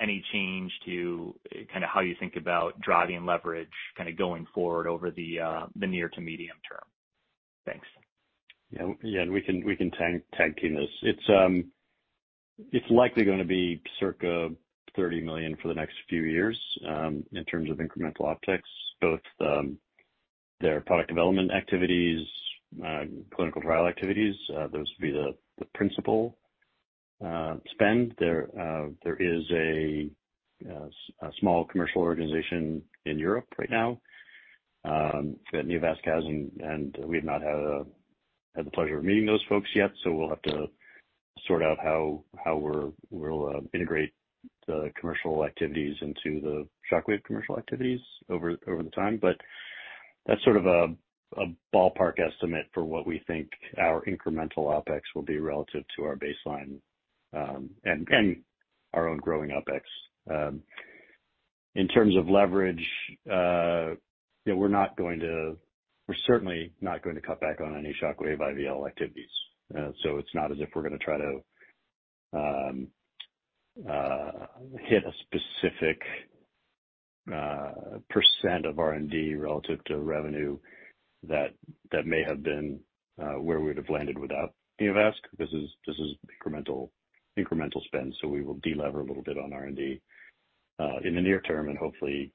F: Any change to kind of how you think about driving leverage going forward over the near to medium term? Thanks.
C: Yeah, we can tag team this. It's likely going to be circa $30 million for the next few years in terms of incremental OpEx, both their product development activities, clinical trial activities. Those would be the principal spend. There is a small commercial organization in Europe right now that Neovasc has, and we have not had the pleasure of meeting those folks yet, so we'll have to sort out how we'll integrate the commercial activities into the Shockwave commercial activities over the time. That's sort of a ballpark estimate for what we think our incremental OpEx will be relative to our baseline and our own growing OpEx. In terms of leverage, we're certainly not going to cut back on any Shockwave IVL activities. It's not as if we're going to try to hit a specific percent of R&D relative to revenue that may have been where we would've landed without Neovasc. This is incremental spend. We will de-lever a little bit on R&D in the near term and hopefully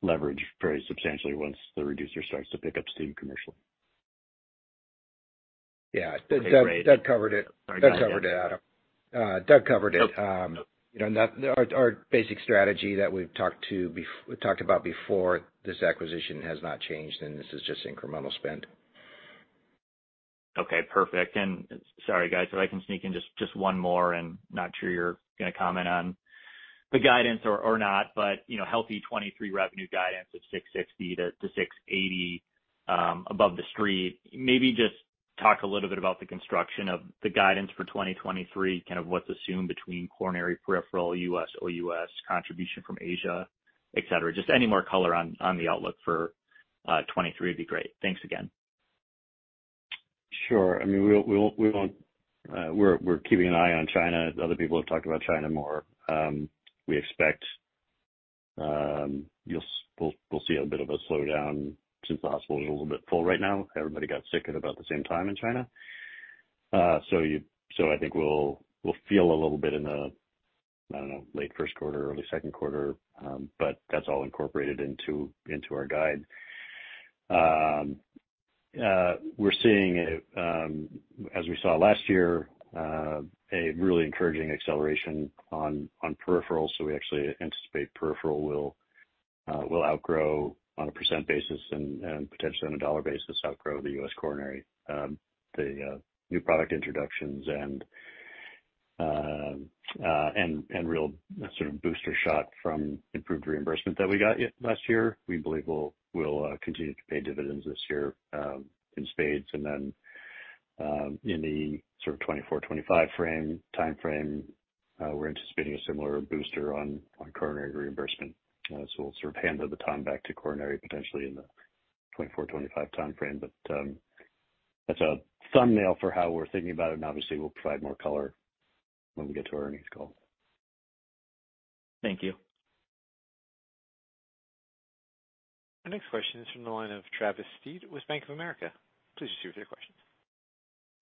C: leverage very substantially once the Reducer starts to pick up steam commercially.
E: Yeah.
F: Okay, great.
E: Doug covered it.
F: Sorry, go ahead, Dan.
E: Doug covered it, Adam.
F: Oh.
E: Doug covered it. Our basic strategy that we've talked about before this acquisition has not changed, and this is just incremental spend.
F: Okay, perfect. Sorry, guys, if I can sneak in just one more, not sure you're going to comment on the guidance or not, healthy 2023 revenue guidance of $660-$680 above the street. Maybe just talk a little bit about the construction of the guidance for 2023, kind of what's assumed between coronary, peripheral, U.S., OUS, contribution from Asia, et cetera. Any more color on the outlook for 2023 would be great. Thanks again.
C: Sure. We're keeping an eye on China. Other people have talked about China more. We expect we'll see a bit of a slowdown since the hospital is a little bit full right now. Everybody got sick at about the same time in China. I think we'll feel a little bit in the, I don't know, late first quarter, early second quarter, but that's all incorporated into our guide. We're seeing, as we saw last year, a really encouraging acceleration on peripherals. We actually anticipate peripheral will outgrow, on a percent basis and potentially on a dollar basis, outgrow the U.S. coronary. The new product introductions and a real sort of booster shot from improved reimbursement that we got last year, we believe will continue to pay dividends this year in spades. Then, in the sort of 2024, 2025 timeframe, we're anticipating a similar booster on coronary reimbursement. We'll sort of hand the time back to coronary, potentially in the 2024, 2025 timeframe. That's a thumbnail for how we're thinking about it, and obviously, we'll provide more color when we get to our earnings call.
F: Thank you.
A: Our next question is from the line of Travis Steed with Bank of America. Please proceed with your questions.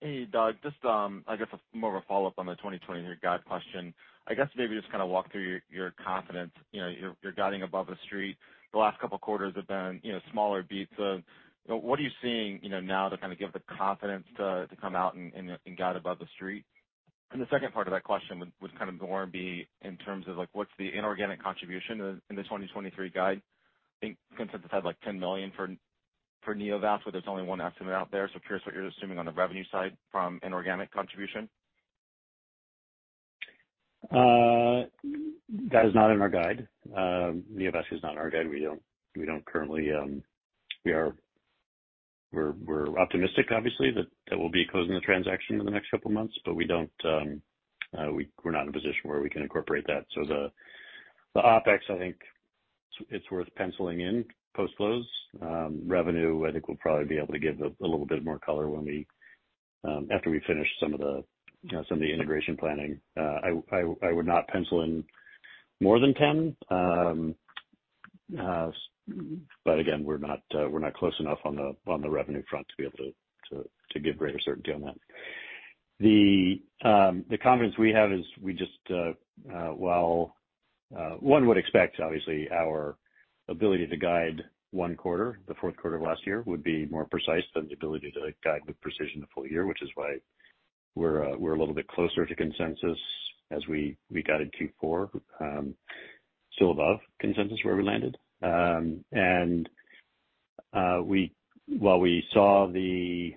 G: Hey, Doug. Just, I guess more of a follow-up on the 2023 guide question. I guess maybe just kind of walk through your confidence. You're guiding above the street. The last couple of quarters have been smaller beats. What are you seeing now to give the confidence to come out and guide above the street? The second part of that question would kind of more be in terms of what the inorganic contribution is in the 2023 guide? I think consensus had like $10 million for Neovasc, where there's only one estimate out there. Curious what you're assuming on the revenue side from inorganic contribution.
C: That is not in our guide. Neovasc is not in our guide. We're optimistic, obviously, that we'll be closing the transaction in the next couple of months, but we're not in a position where we can incorporate that. The OpEx, I think is worth penciling in post-close. Revenue, I think we'll probably be able to give a little bit more color after we finish some of the integration planning. I would not pencil in more than 10. Again, we're not close enough on the revenue front to be able to give greater certainty on that. The confidence we have is, one would expect, obviously, our ability to guide one quarter, the fourth quarter of last year, would be more precise than the ability to guide with precision a full year, which is why we're a little bit closer to consensus as we guided Q4. Still above consensus where we landed. While we saw the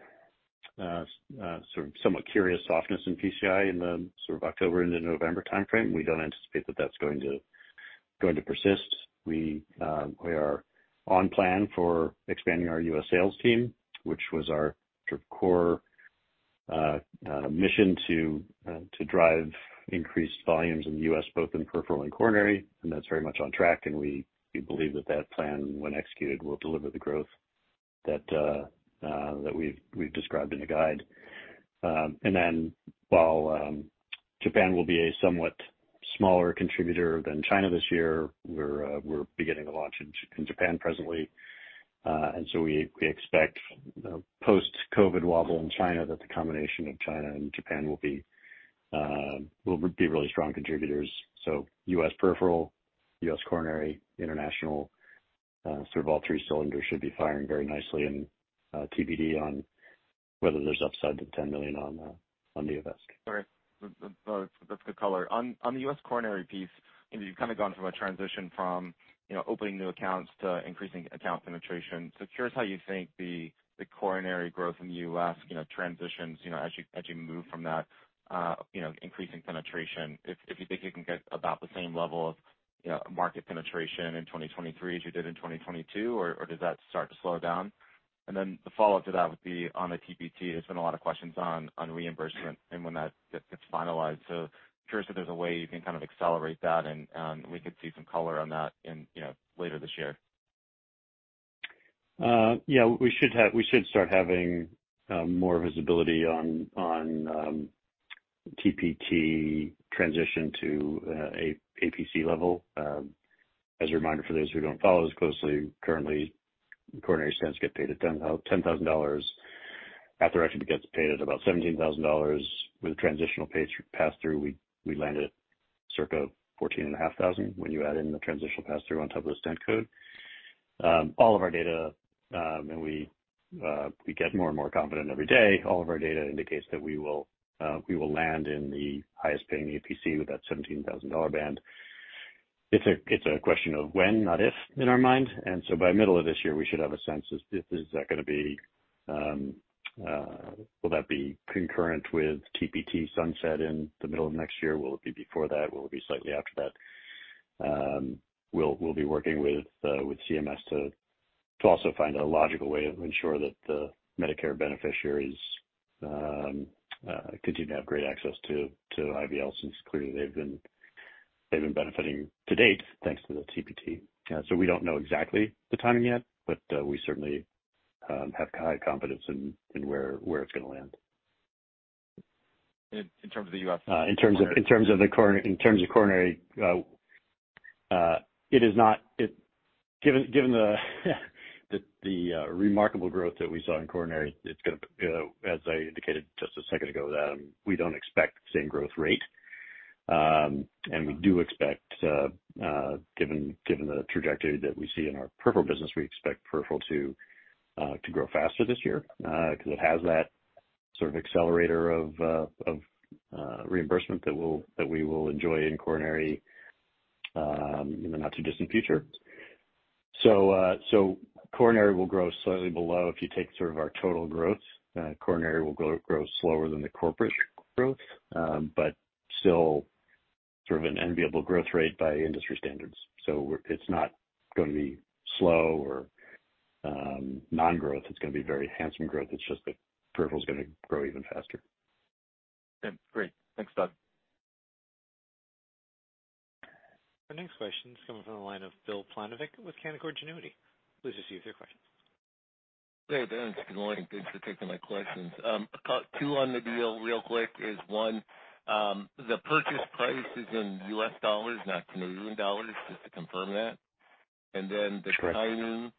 C: sort of somewhat curious softness in PCI in the sort of October into November timeframe, we don't anticipate that that's going to persist. We are on plan for expanding our U.S. sales team, which was our sort of core mission to drive increased volumes in the U.S., both in peripheral and coronary, and that's very much on track, and we believe that that plan, when executed, will deliver the growth that we've described in the guide. While Japan will be a somewhat smaller contributor than China this year, we're beginning to launch in Japan presently. We expect a post-COVID wobble in China, that the combination of China and Japan will be really strong contributors. U.S. peripheral, U.S. coronary, international, sort of all three cylinders should be firing very nicely, and TBD on whether there's upside to $10 million on Neovasc.
G: All right. That's good color. On the U.S. coronary piece, you've kind of gone from a transition from opening new accounts to increasing account penetration. Curious how you think the coronary growth in the U.S. transitions, as you move from that increasing penetration. If you think you can get about the same level of market penetration in 2023 as you did in 2022, or does that start to slow down? The follow-up to that would be on the TPT. There's been a lot of questions on reimbursement and when that gets finalized. Curious if there's a way you can kind of accelerate that, and we could see some color on that later this year.
C: Yeah, we should start having more visibility on TPT transition to APC level. As a reminder for those who don't follow as closely, currently, coronary stents get paid at $10,000. Atherectomy gets paid at about $17,000. With a transitional pass-through, we land at circa $ fourteen and a half thousand when you add in the transitional pass-through on top of the stent code. We get more and more confident every day. All of our data indicates that we will land in the highest paying APC with that $17,000 band. It's a question of when, not if, in our mind, by middle of this year, we should have a sense is that going to be concurrent with TPT sunset in the middle of next year? Will it be before that? Will it be slightly after that? We'll be working with CMS to also find a logical way to ensure that the Medicare beneficiaries continue to have great access to IVLs, since clearly they've been benefiting to date, thanks to the TPT. We don't know exactly the timing yet, but we certainly have high confidence in where it's going to land.
G: In terms of the U.S.-
C: In terms of coronary, given the remarkable growth that we saw in coronary, as I indicated just a second ago, we don't expect the same growth rate. We do expect, given the trajectory that we see in our peripheral business, we expect peripheral to grow faster this year, because it has that sort of accelerator of reimbursement that we will enjoy in coronary in the not too distant future. Coronary will grow slightly below. If you take sort of our total growth, coronary will grow slower than the corporate growth, but still sort of an enviable growth rate by industry standards. It's not going to be slow or non-growth. It's going to be very handsome growth. It's just that peripheral's going to grow even faster.
G: Okay, great. Thanks, Doug.
A: Our next question's coming from the line of Bill Plovanic with Canaccord Genuity. Please proceed with your questions.
H: Hey there. Thanks. Good morning. Thanks for taking my questions. Two on the deal, real quick is, One, the purchase price is in U.S. dollars, not Canadian dollars, just to confirm that.
C: Correct.
H: The timing,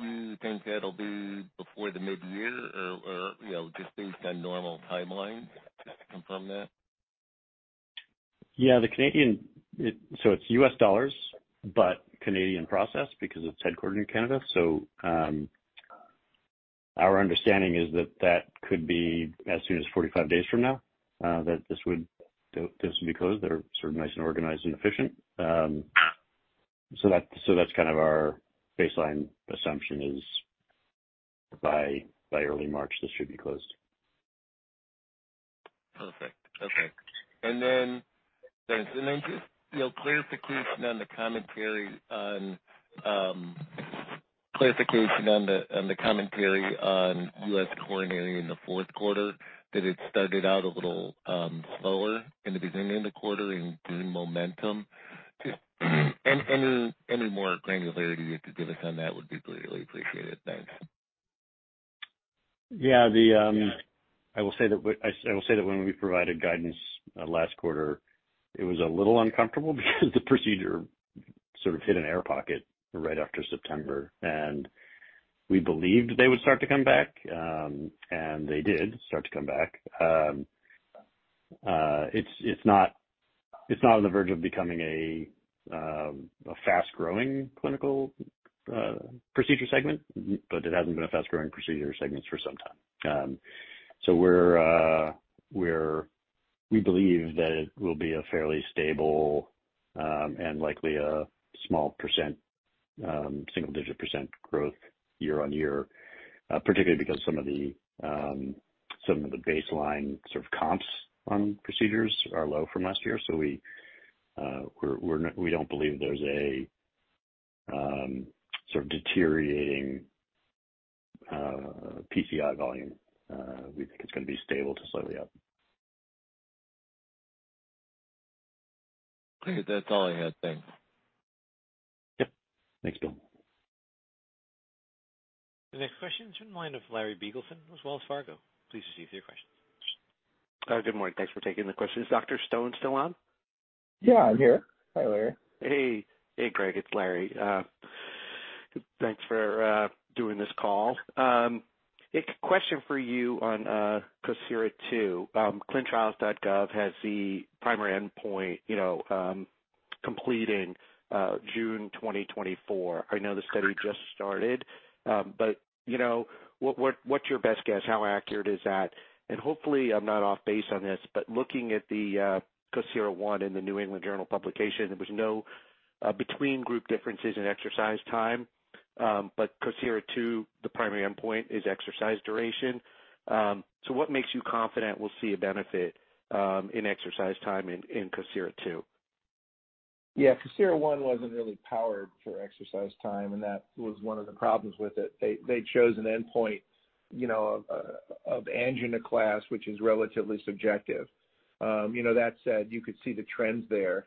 H: do you think that'll be before the mid-year or just based on normal timelines? Can I confirm that?
C: It's US dollars, but Canadian process because it's headquartered in Canada. Our understanding is that that could be as soon as 45 days from now, that this would be closed. They're nice and organized and efficient. That's kind of our baseline assumption is by early March, this should be closed.
H: Perfect. Okay. Thanks. Just clarification on the commentary on U.S. coronary in the fourth quarter, that it started out a little slower in the beginning of the quarter and gained momentum. Any more granularity you could give us on that would be greatly appreciated. Thanks.
C: Yeah. I will say that when we provided guidance last quarter, it was a little uncomfortable because the procedure sort of hit an air pocket right after September. We believed they would start to come back, and they did start to come back. It's not on the verge of becoming a fast-growing clinical procedure segment, but it hasn't been a fast-growing procedure segment for some time. We believe that it will be fairly stable and likely a small percent, single-digit percent growth year-over-year. Particularly because some of the baseline comps on procedures are low from last year. We don't believe there's a sort of deteriorating PCI volume. We think it's going to be stable to slightly up.
H: Okay. That's all I had. Thanks.
C: Yep. Thanks, Bill.
A: The next question's from the line of Larry Biegelsen with Wells Fargo. Please proceed with your question.
I: Good morning. Thanks for taking the question. Is Dr. Stone still on?
D: Yeah, I'm here. Hi, Larry.
I: Hey, Gregg. It's Larry. Thanks for doing this call. A question for you on COSIRA-II. clinicaltrials.gov has the primary endpoint completing June 2024. I know the study just started. What's your best guess? How accurate is that? Hopefully, I'm not off base on this, looking at the COSIRA in The New England Journal of Medicine publication, there was no between-group differences in exercise time. COSIRA-II, the primary endpoint is exercise duration. What makes you confident we'll see a benefit in exercise time in COSIRA-II?
D: COSIRA wasn't really powered for exercise time. That was one of the problems with it. They chose an endpoint of angina class, which is relatively subjective. That said, you could see the trends there.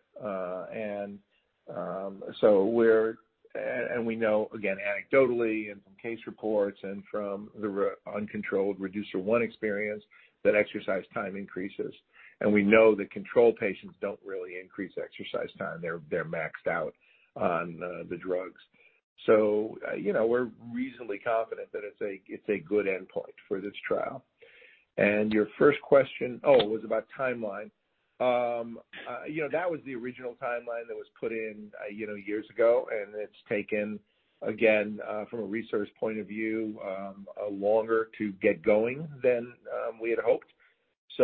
D: We know again anecdotally and from case reports and from the uncontrolled REDUCER-I experience that exercise time increases. We know that control patients don't really increase exercise time. They're maxed out on the drugs. We're reasonably confident that it's a good endpoint for this trial. Your first question was about the timeline. That was the original timeline that was put in years ago. It's taken, again, from a research point of view, longer to get going than we had hoped.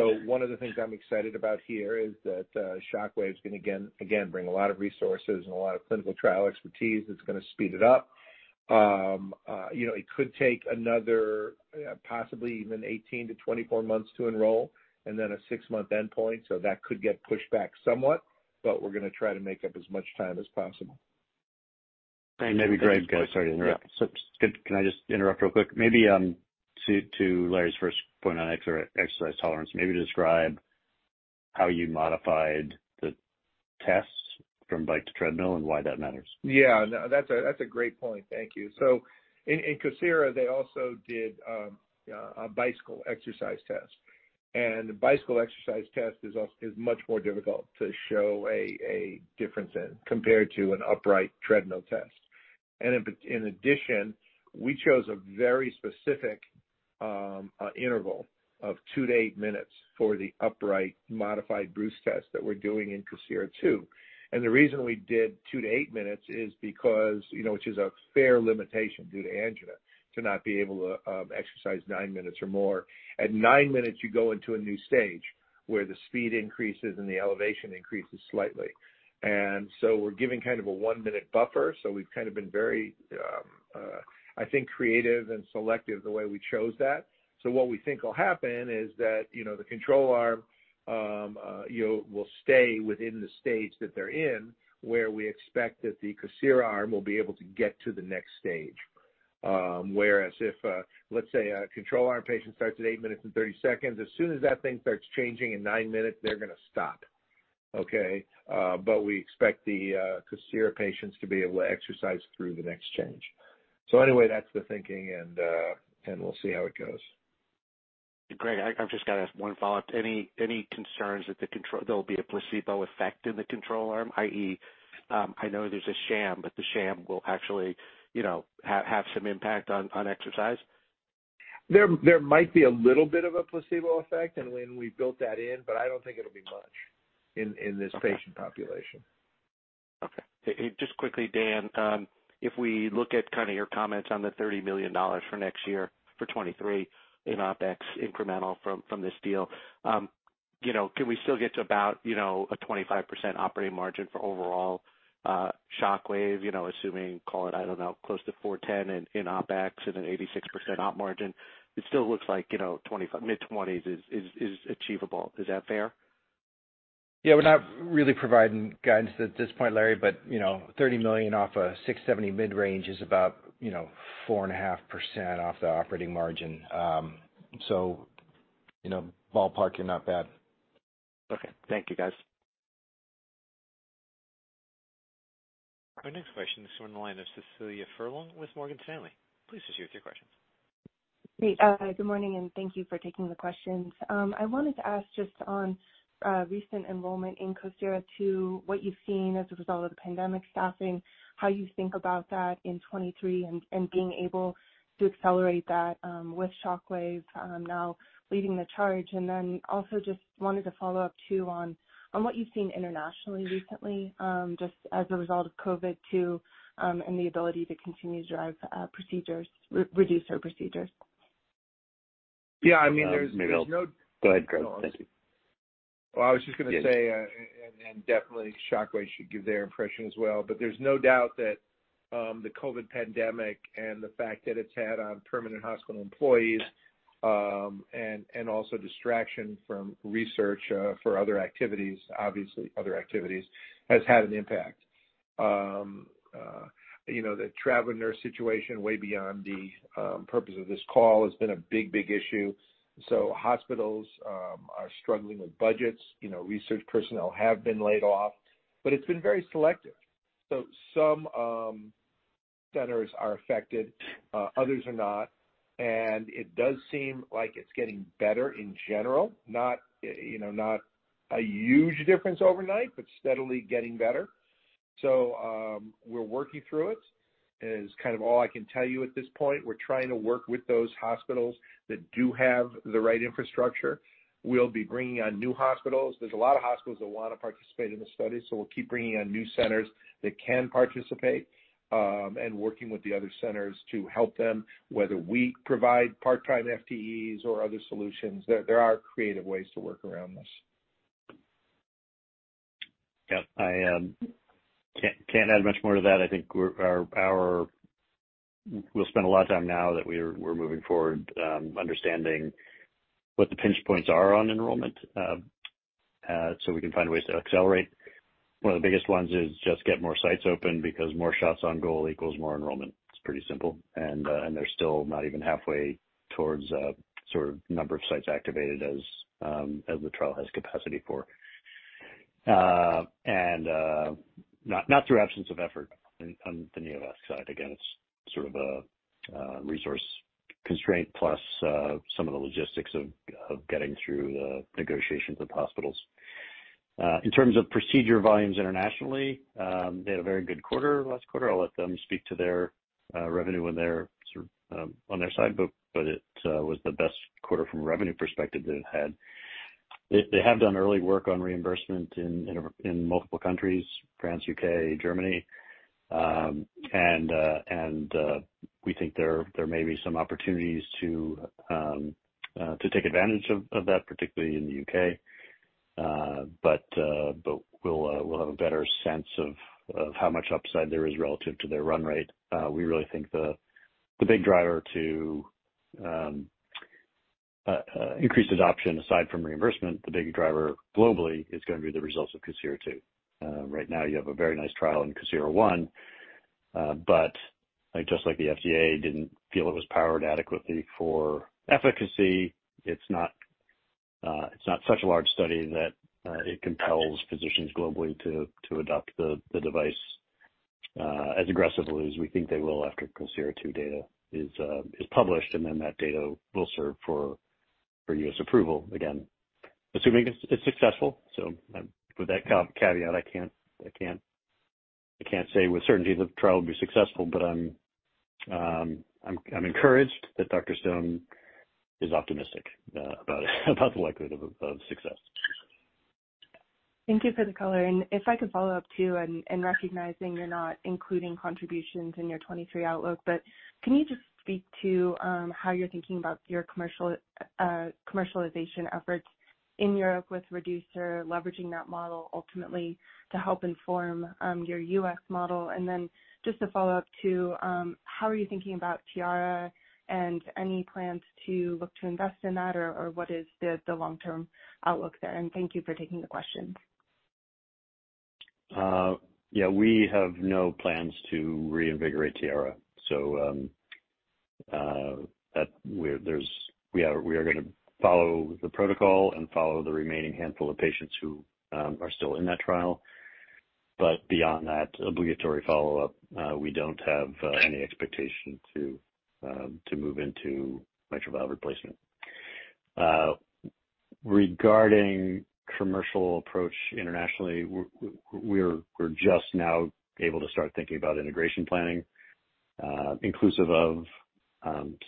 D: One of the things I'm excited about here is that Shockwave's going to, again, bring a lot of resources and a lot of clinical trial expertise that's going to speed it up. It could take another possibly even 18-24 months to enroll and then a six-month endpoint, so that could get pushed back somewhat, but we're going to try to make up as much time as possible.
C: Maybe Gregg, sorry to interrupt. Can I just interrupt real quick? Maybe to Larry's first point on exercise tolerance, maybe describe how you modified the tests from bike to treadmill and why that matters.
D: Yeah. No, that's a great point. Thank you. In COSIRA, they also did a bicycle exercise test. The bicycle exercise test is much more difficult to show a difference in, compared to an upright treadmill test. In addition, we chose a very specific interval of 2-8 minutes for the upright modified Bruce protocol that we're doing in COSIRA-002. The reason we did 2-8 minutes is because, which is a fair limitation due to angina, to not be able to exercise nine minutes or more. At 9 minutes, you go into a new stage where the speed increases and the elevation increases slightly. We're giving kind of a one-minute buffer. We've kind of been very, I think, creative and selective the way we chose that. What we think will happen is that the control arm will stay within the stage that they're in, where we expect that the COSIRA arm will be able to get to the next stage. Whereas if, let's say, a control arm patient starts at eight minutes and 30 seconds, as soon as that thing starts changing in nine minutes, they're going to stop. Okay. We expect the COSIRA patients to be able to exercise through the next change. Anyway, that's the thinking, and we'll see how it goes.
I: Gregg, I've just got to ask one follow-up. Any concerns that there'll be a placebo effect in the control arm, i.e., I know there's a sham, but the sham will actually have some impact on exercise?
D: There might be a little bit of a placebo effect, and when we built that in, but I don't think it'll be much in this patient population.
I: Okay. Just quickly, Dan, if we look at your comments on the $30 million for next year, for 2023, in OpEx incremental from this deal. Can we still get to about a 25% operating margin for overall Shockwave, assuming, call it, I don't know, close to $410 in OpEx and an 86% op margin? It still looks like mid-20s is achievable. Is that fair?
E: Yeah, we're not really providing guidance at this point, Larry, but $30 million off a $670 million mid-range is about 4.5% off the operating margin. Ballpark, you're not bad.
I: Okay. Thank you, guys.
A: Our next question is from the line of Cecilia Furlong with Morgan Stanley. Please proceed with your questions.
J: Great. Good morning, and thank you for taking the questions. I wanted to ask, just on recent enrollment in COSIRA-II, what you've seen as a result of the pandemic staffing, how you think about that in 2023, and being able to accelerate that with Shockwave now leading the charge. Also, just wanted to follow up too on what you've seen internationally recently, just as a result of COVID too, and the ability to continue to drive Reducer procedures.
D: Yeah.
C: Go ahead, Gregg. Thank you.
D: I was just going to say, and definitely Shockwave should give their impression as well, there's no doubt that the COVID pandemic and the fact that it's had on permanent hospital employees, and also distraction from research, for other activities, obviously other activities, has had an impact. The travel nurse situation, way beyond the purpose of this call, has been a big issue. Hospitals are struggling with budgets. Research personnel have been laid off. It's been very selective. Some centers are affected, others are not, and it does seem like it's getting better in general. Not a huge difference overnight, steadily getting better. We're working through it, is all I can tell you at this point. We're trying to work with those hospitals that do have the right infrastructure. We'll be bringing on new hospitals. There's a lot of hospitals that want to participate in this study, so we'll keep bringing on new centers that can participate, and working with the other centers to help them, whether we provide part-time FTEs or other solutions. There are creative ways to work around this.
C: Yep. I can't add much more to that. I think we'll spend a lot of time now that we're moving forward, understanding what the pinch points are on enrollment, so we can find ways to accelerate. One of the biggest ones is just get more sites open because more shots on goal equals more enrollment. It's pretty simple, and they're still not even halfway towards sort of number of sites activated as the trial has capacity for. Not through absence of effort on the Neovasc side. Again, it's sort of a resource constraint plus some of the logistics of getting through the negotiations with hospitals. In terms of procedure volumes internationally, they had a very good quarter last quarter. I'll let them speak to their revenue on their side, but it was the best quarter from a revenue perspective that it had. They have done early work on reimbursement in multiple countries, France, U.K., Germany. We think there may be some opportunities to take advantage of that, particularly in the U.K. We'll have a better sense of how much upside there is relative to their run rate. We really think the big driver to increased adoption, aside from reimbursement, the big driver globally is going to be the results of COSIRA-II. Right now, you have a very nice trial in COSIRA, but just like the FDA didn't feel it was powered adequately for efficacy, it's not such a large study that it compels physicians globally to adopt the device as aggressively as we think they will after COSIRA-II data is published, and then that data will serve for U.S. approval. Again, assuming it's successful. With that caveat, I can't say with certainty that the trial will be successful, but I'm encouraged that Dr. Stone is optimistic about the likelihood of success.
J: Thank you for the color, and if I could follow up too, and recognizing you're not including contributions in your 2023 outlook, but can you just speak to how you're thinking about your commercialization efforts in Europe with Reducer, leveraging that model ultimately to help inform your U.S. model? Just to follow up too, how are you thinking about Tiara and any plans to look to invest in that, or what is the long-term outlook there? Thank you for taking the questions.
C: Yeah, we have no plans to reinvigorate Tiara. We are going to follow the protocol and follow the remaining handful of patients who are still in that trial. Beyond that obligatory follow-up, we don't have any expectation to move into mitral valve replacement. Regarding commercial approach internationally, we're just now able to start thinking about integration planning, inclusive of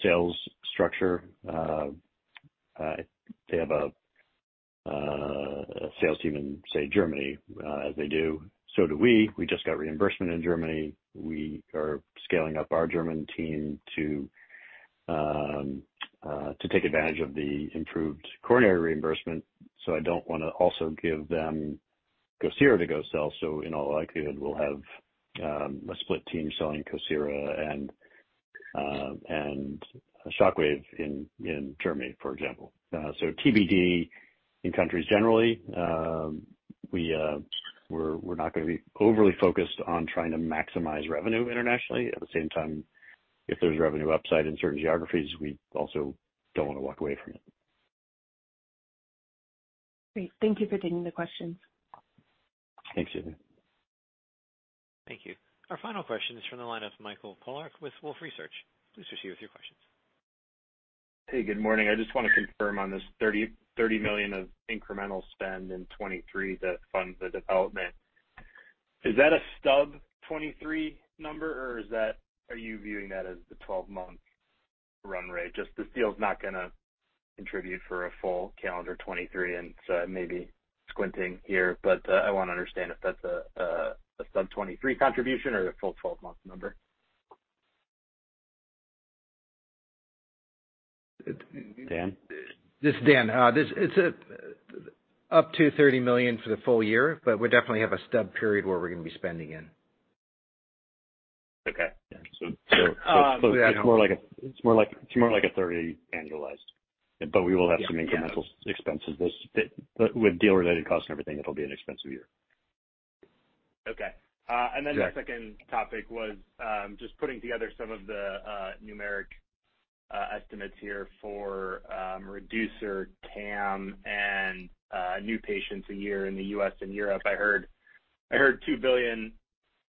C: sales structure. They have a sales team in, say, Germany, as they do. Do we. We just got reimbursement in Germany. We are scaling up our German team to take advantage of the improved coronary reimbursement. I don't want to also give them COSIRA to go sell. In all likelihood, we'll have a split team selling COSIRA and Shockwave in Germany, for example. TBD in countries generally. We're not going to be overly focused on trying to maximize revenue internationally. At the same time, if there's revenue upside in certain geographies, we also don't want to walk away from it.
J: Great. Thank you for taking the questions.
C: Thanks, Cecilia.
A: Thank you. Our final question is from the line of Mike Polark with Wolfe Research. Please proceed with your questions.
K: Hey, good morning. I just want to confirm on this $30 million of incremental spend in 2023 that funds the development. Is that a stub 2023 number, or are you viewing that as the 12-month run rate? Just the deal's not going to contribute for a full calendar 2023. I may be squinting here, but I want to understand if that's a sub 2023 contribution or the full 12-month number.
C: Dan?
E: This is Dan. It's up to $30 million for the full year, but we definitely have a stub period where we're going to be spending in.
K: Okay. Yeah.
C: It's more like a 30 annualized. We will have some incremental expenses. With deal-related costs and everything, it'll be an expensive year.
K: Okay.
C: Yeah.
K: Then the second topic was just putting together some of the numeric estimates here for Reducer TAM and new patients a year in the U.S. and Europe. I heard $2 billion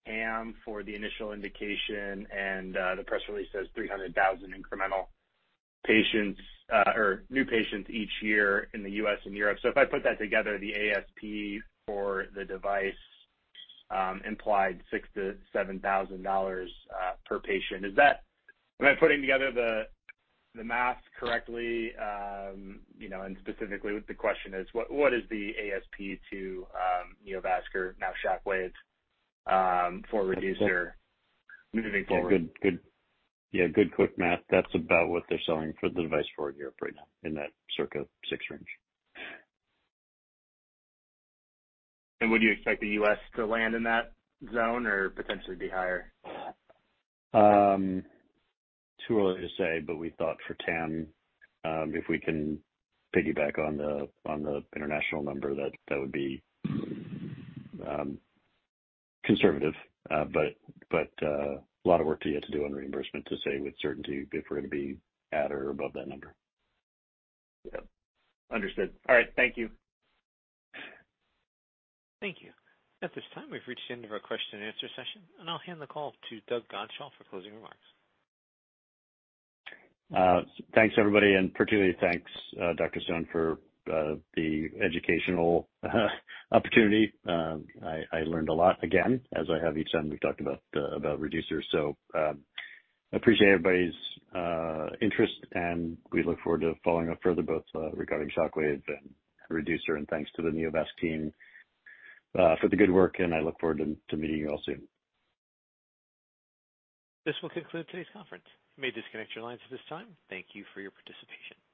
K: TAM for the initial indication, and the press release says 300,000 incremental new patients each year in the U.S. and Europe. If I put that together, the ASP for the device implied $6,000-$7,000 per patient. Am I putting together the math correctly? Specifically, the question is, what is the ASP to Neovasc or now Shockwave for Reducer moving forward?
C: Yeah, good quick math. That's about what they're selling the device for in Europe right now, in that circa $6 range.
K: Would you expect the U.S. to land in that zone or potentially be higher?
C: Too early to say, we thought for TAM, if we can piggyback on the international number, that would be conservative. A lot of work to yet to do on reimbursement to say with certainty if we're going to be at or above that number.
K: Yep. Understood. All right. Thank you.
A: Thank you. At this time, we've reached the end of our question and answer session, and I'll hand the call to Doug Godshall for closing remarks.
C: Thanks, everybody, particularly thanks, Dr. Stone, for the educational opportunity. I learned a lot again, as I have each time we've talked about Reducer. Appreciate everybody's interest, and we look forward to following up further both regarding Shockwave and Reducer. Thanks to the Neovasc team for the good work, and I look forward to meeting you all soon.
A: This will conclude today's conference. You may disconnect your lines at this time. Thank you for your participation.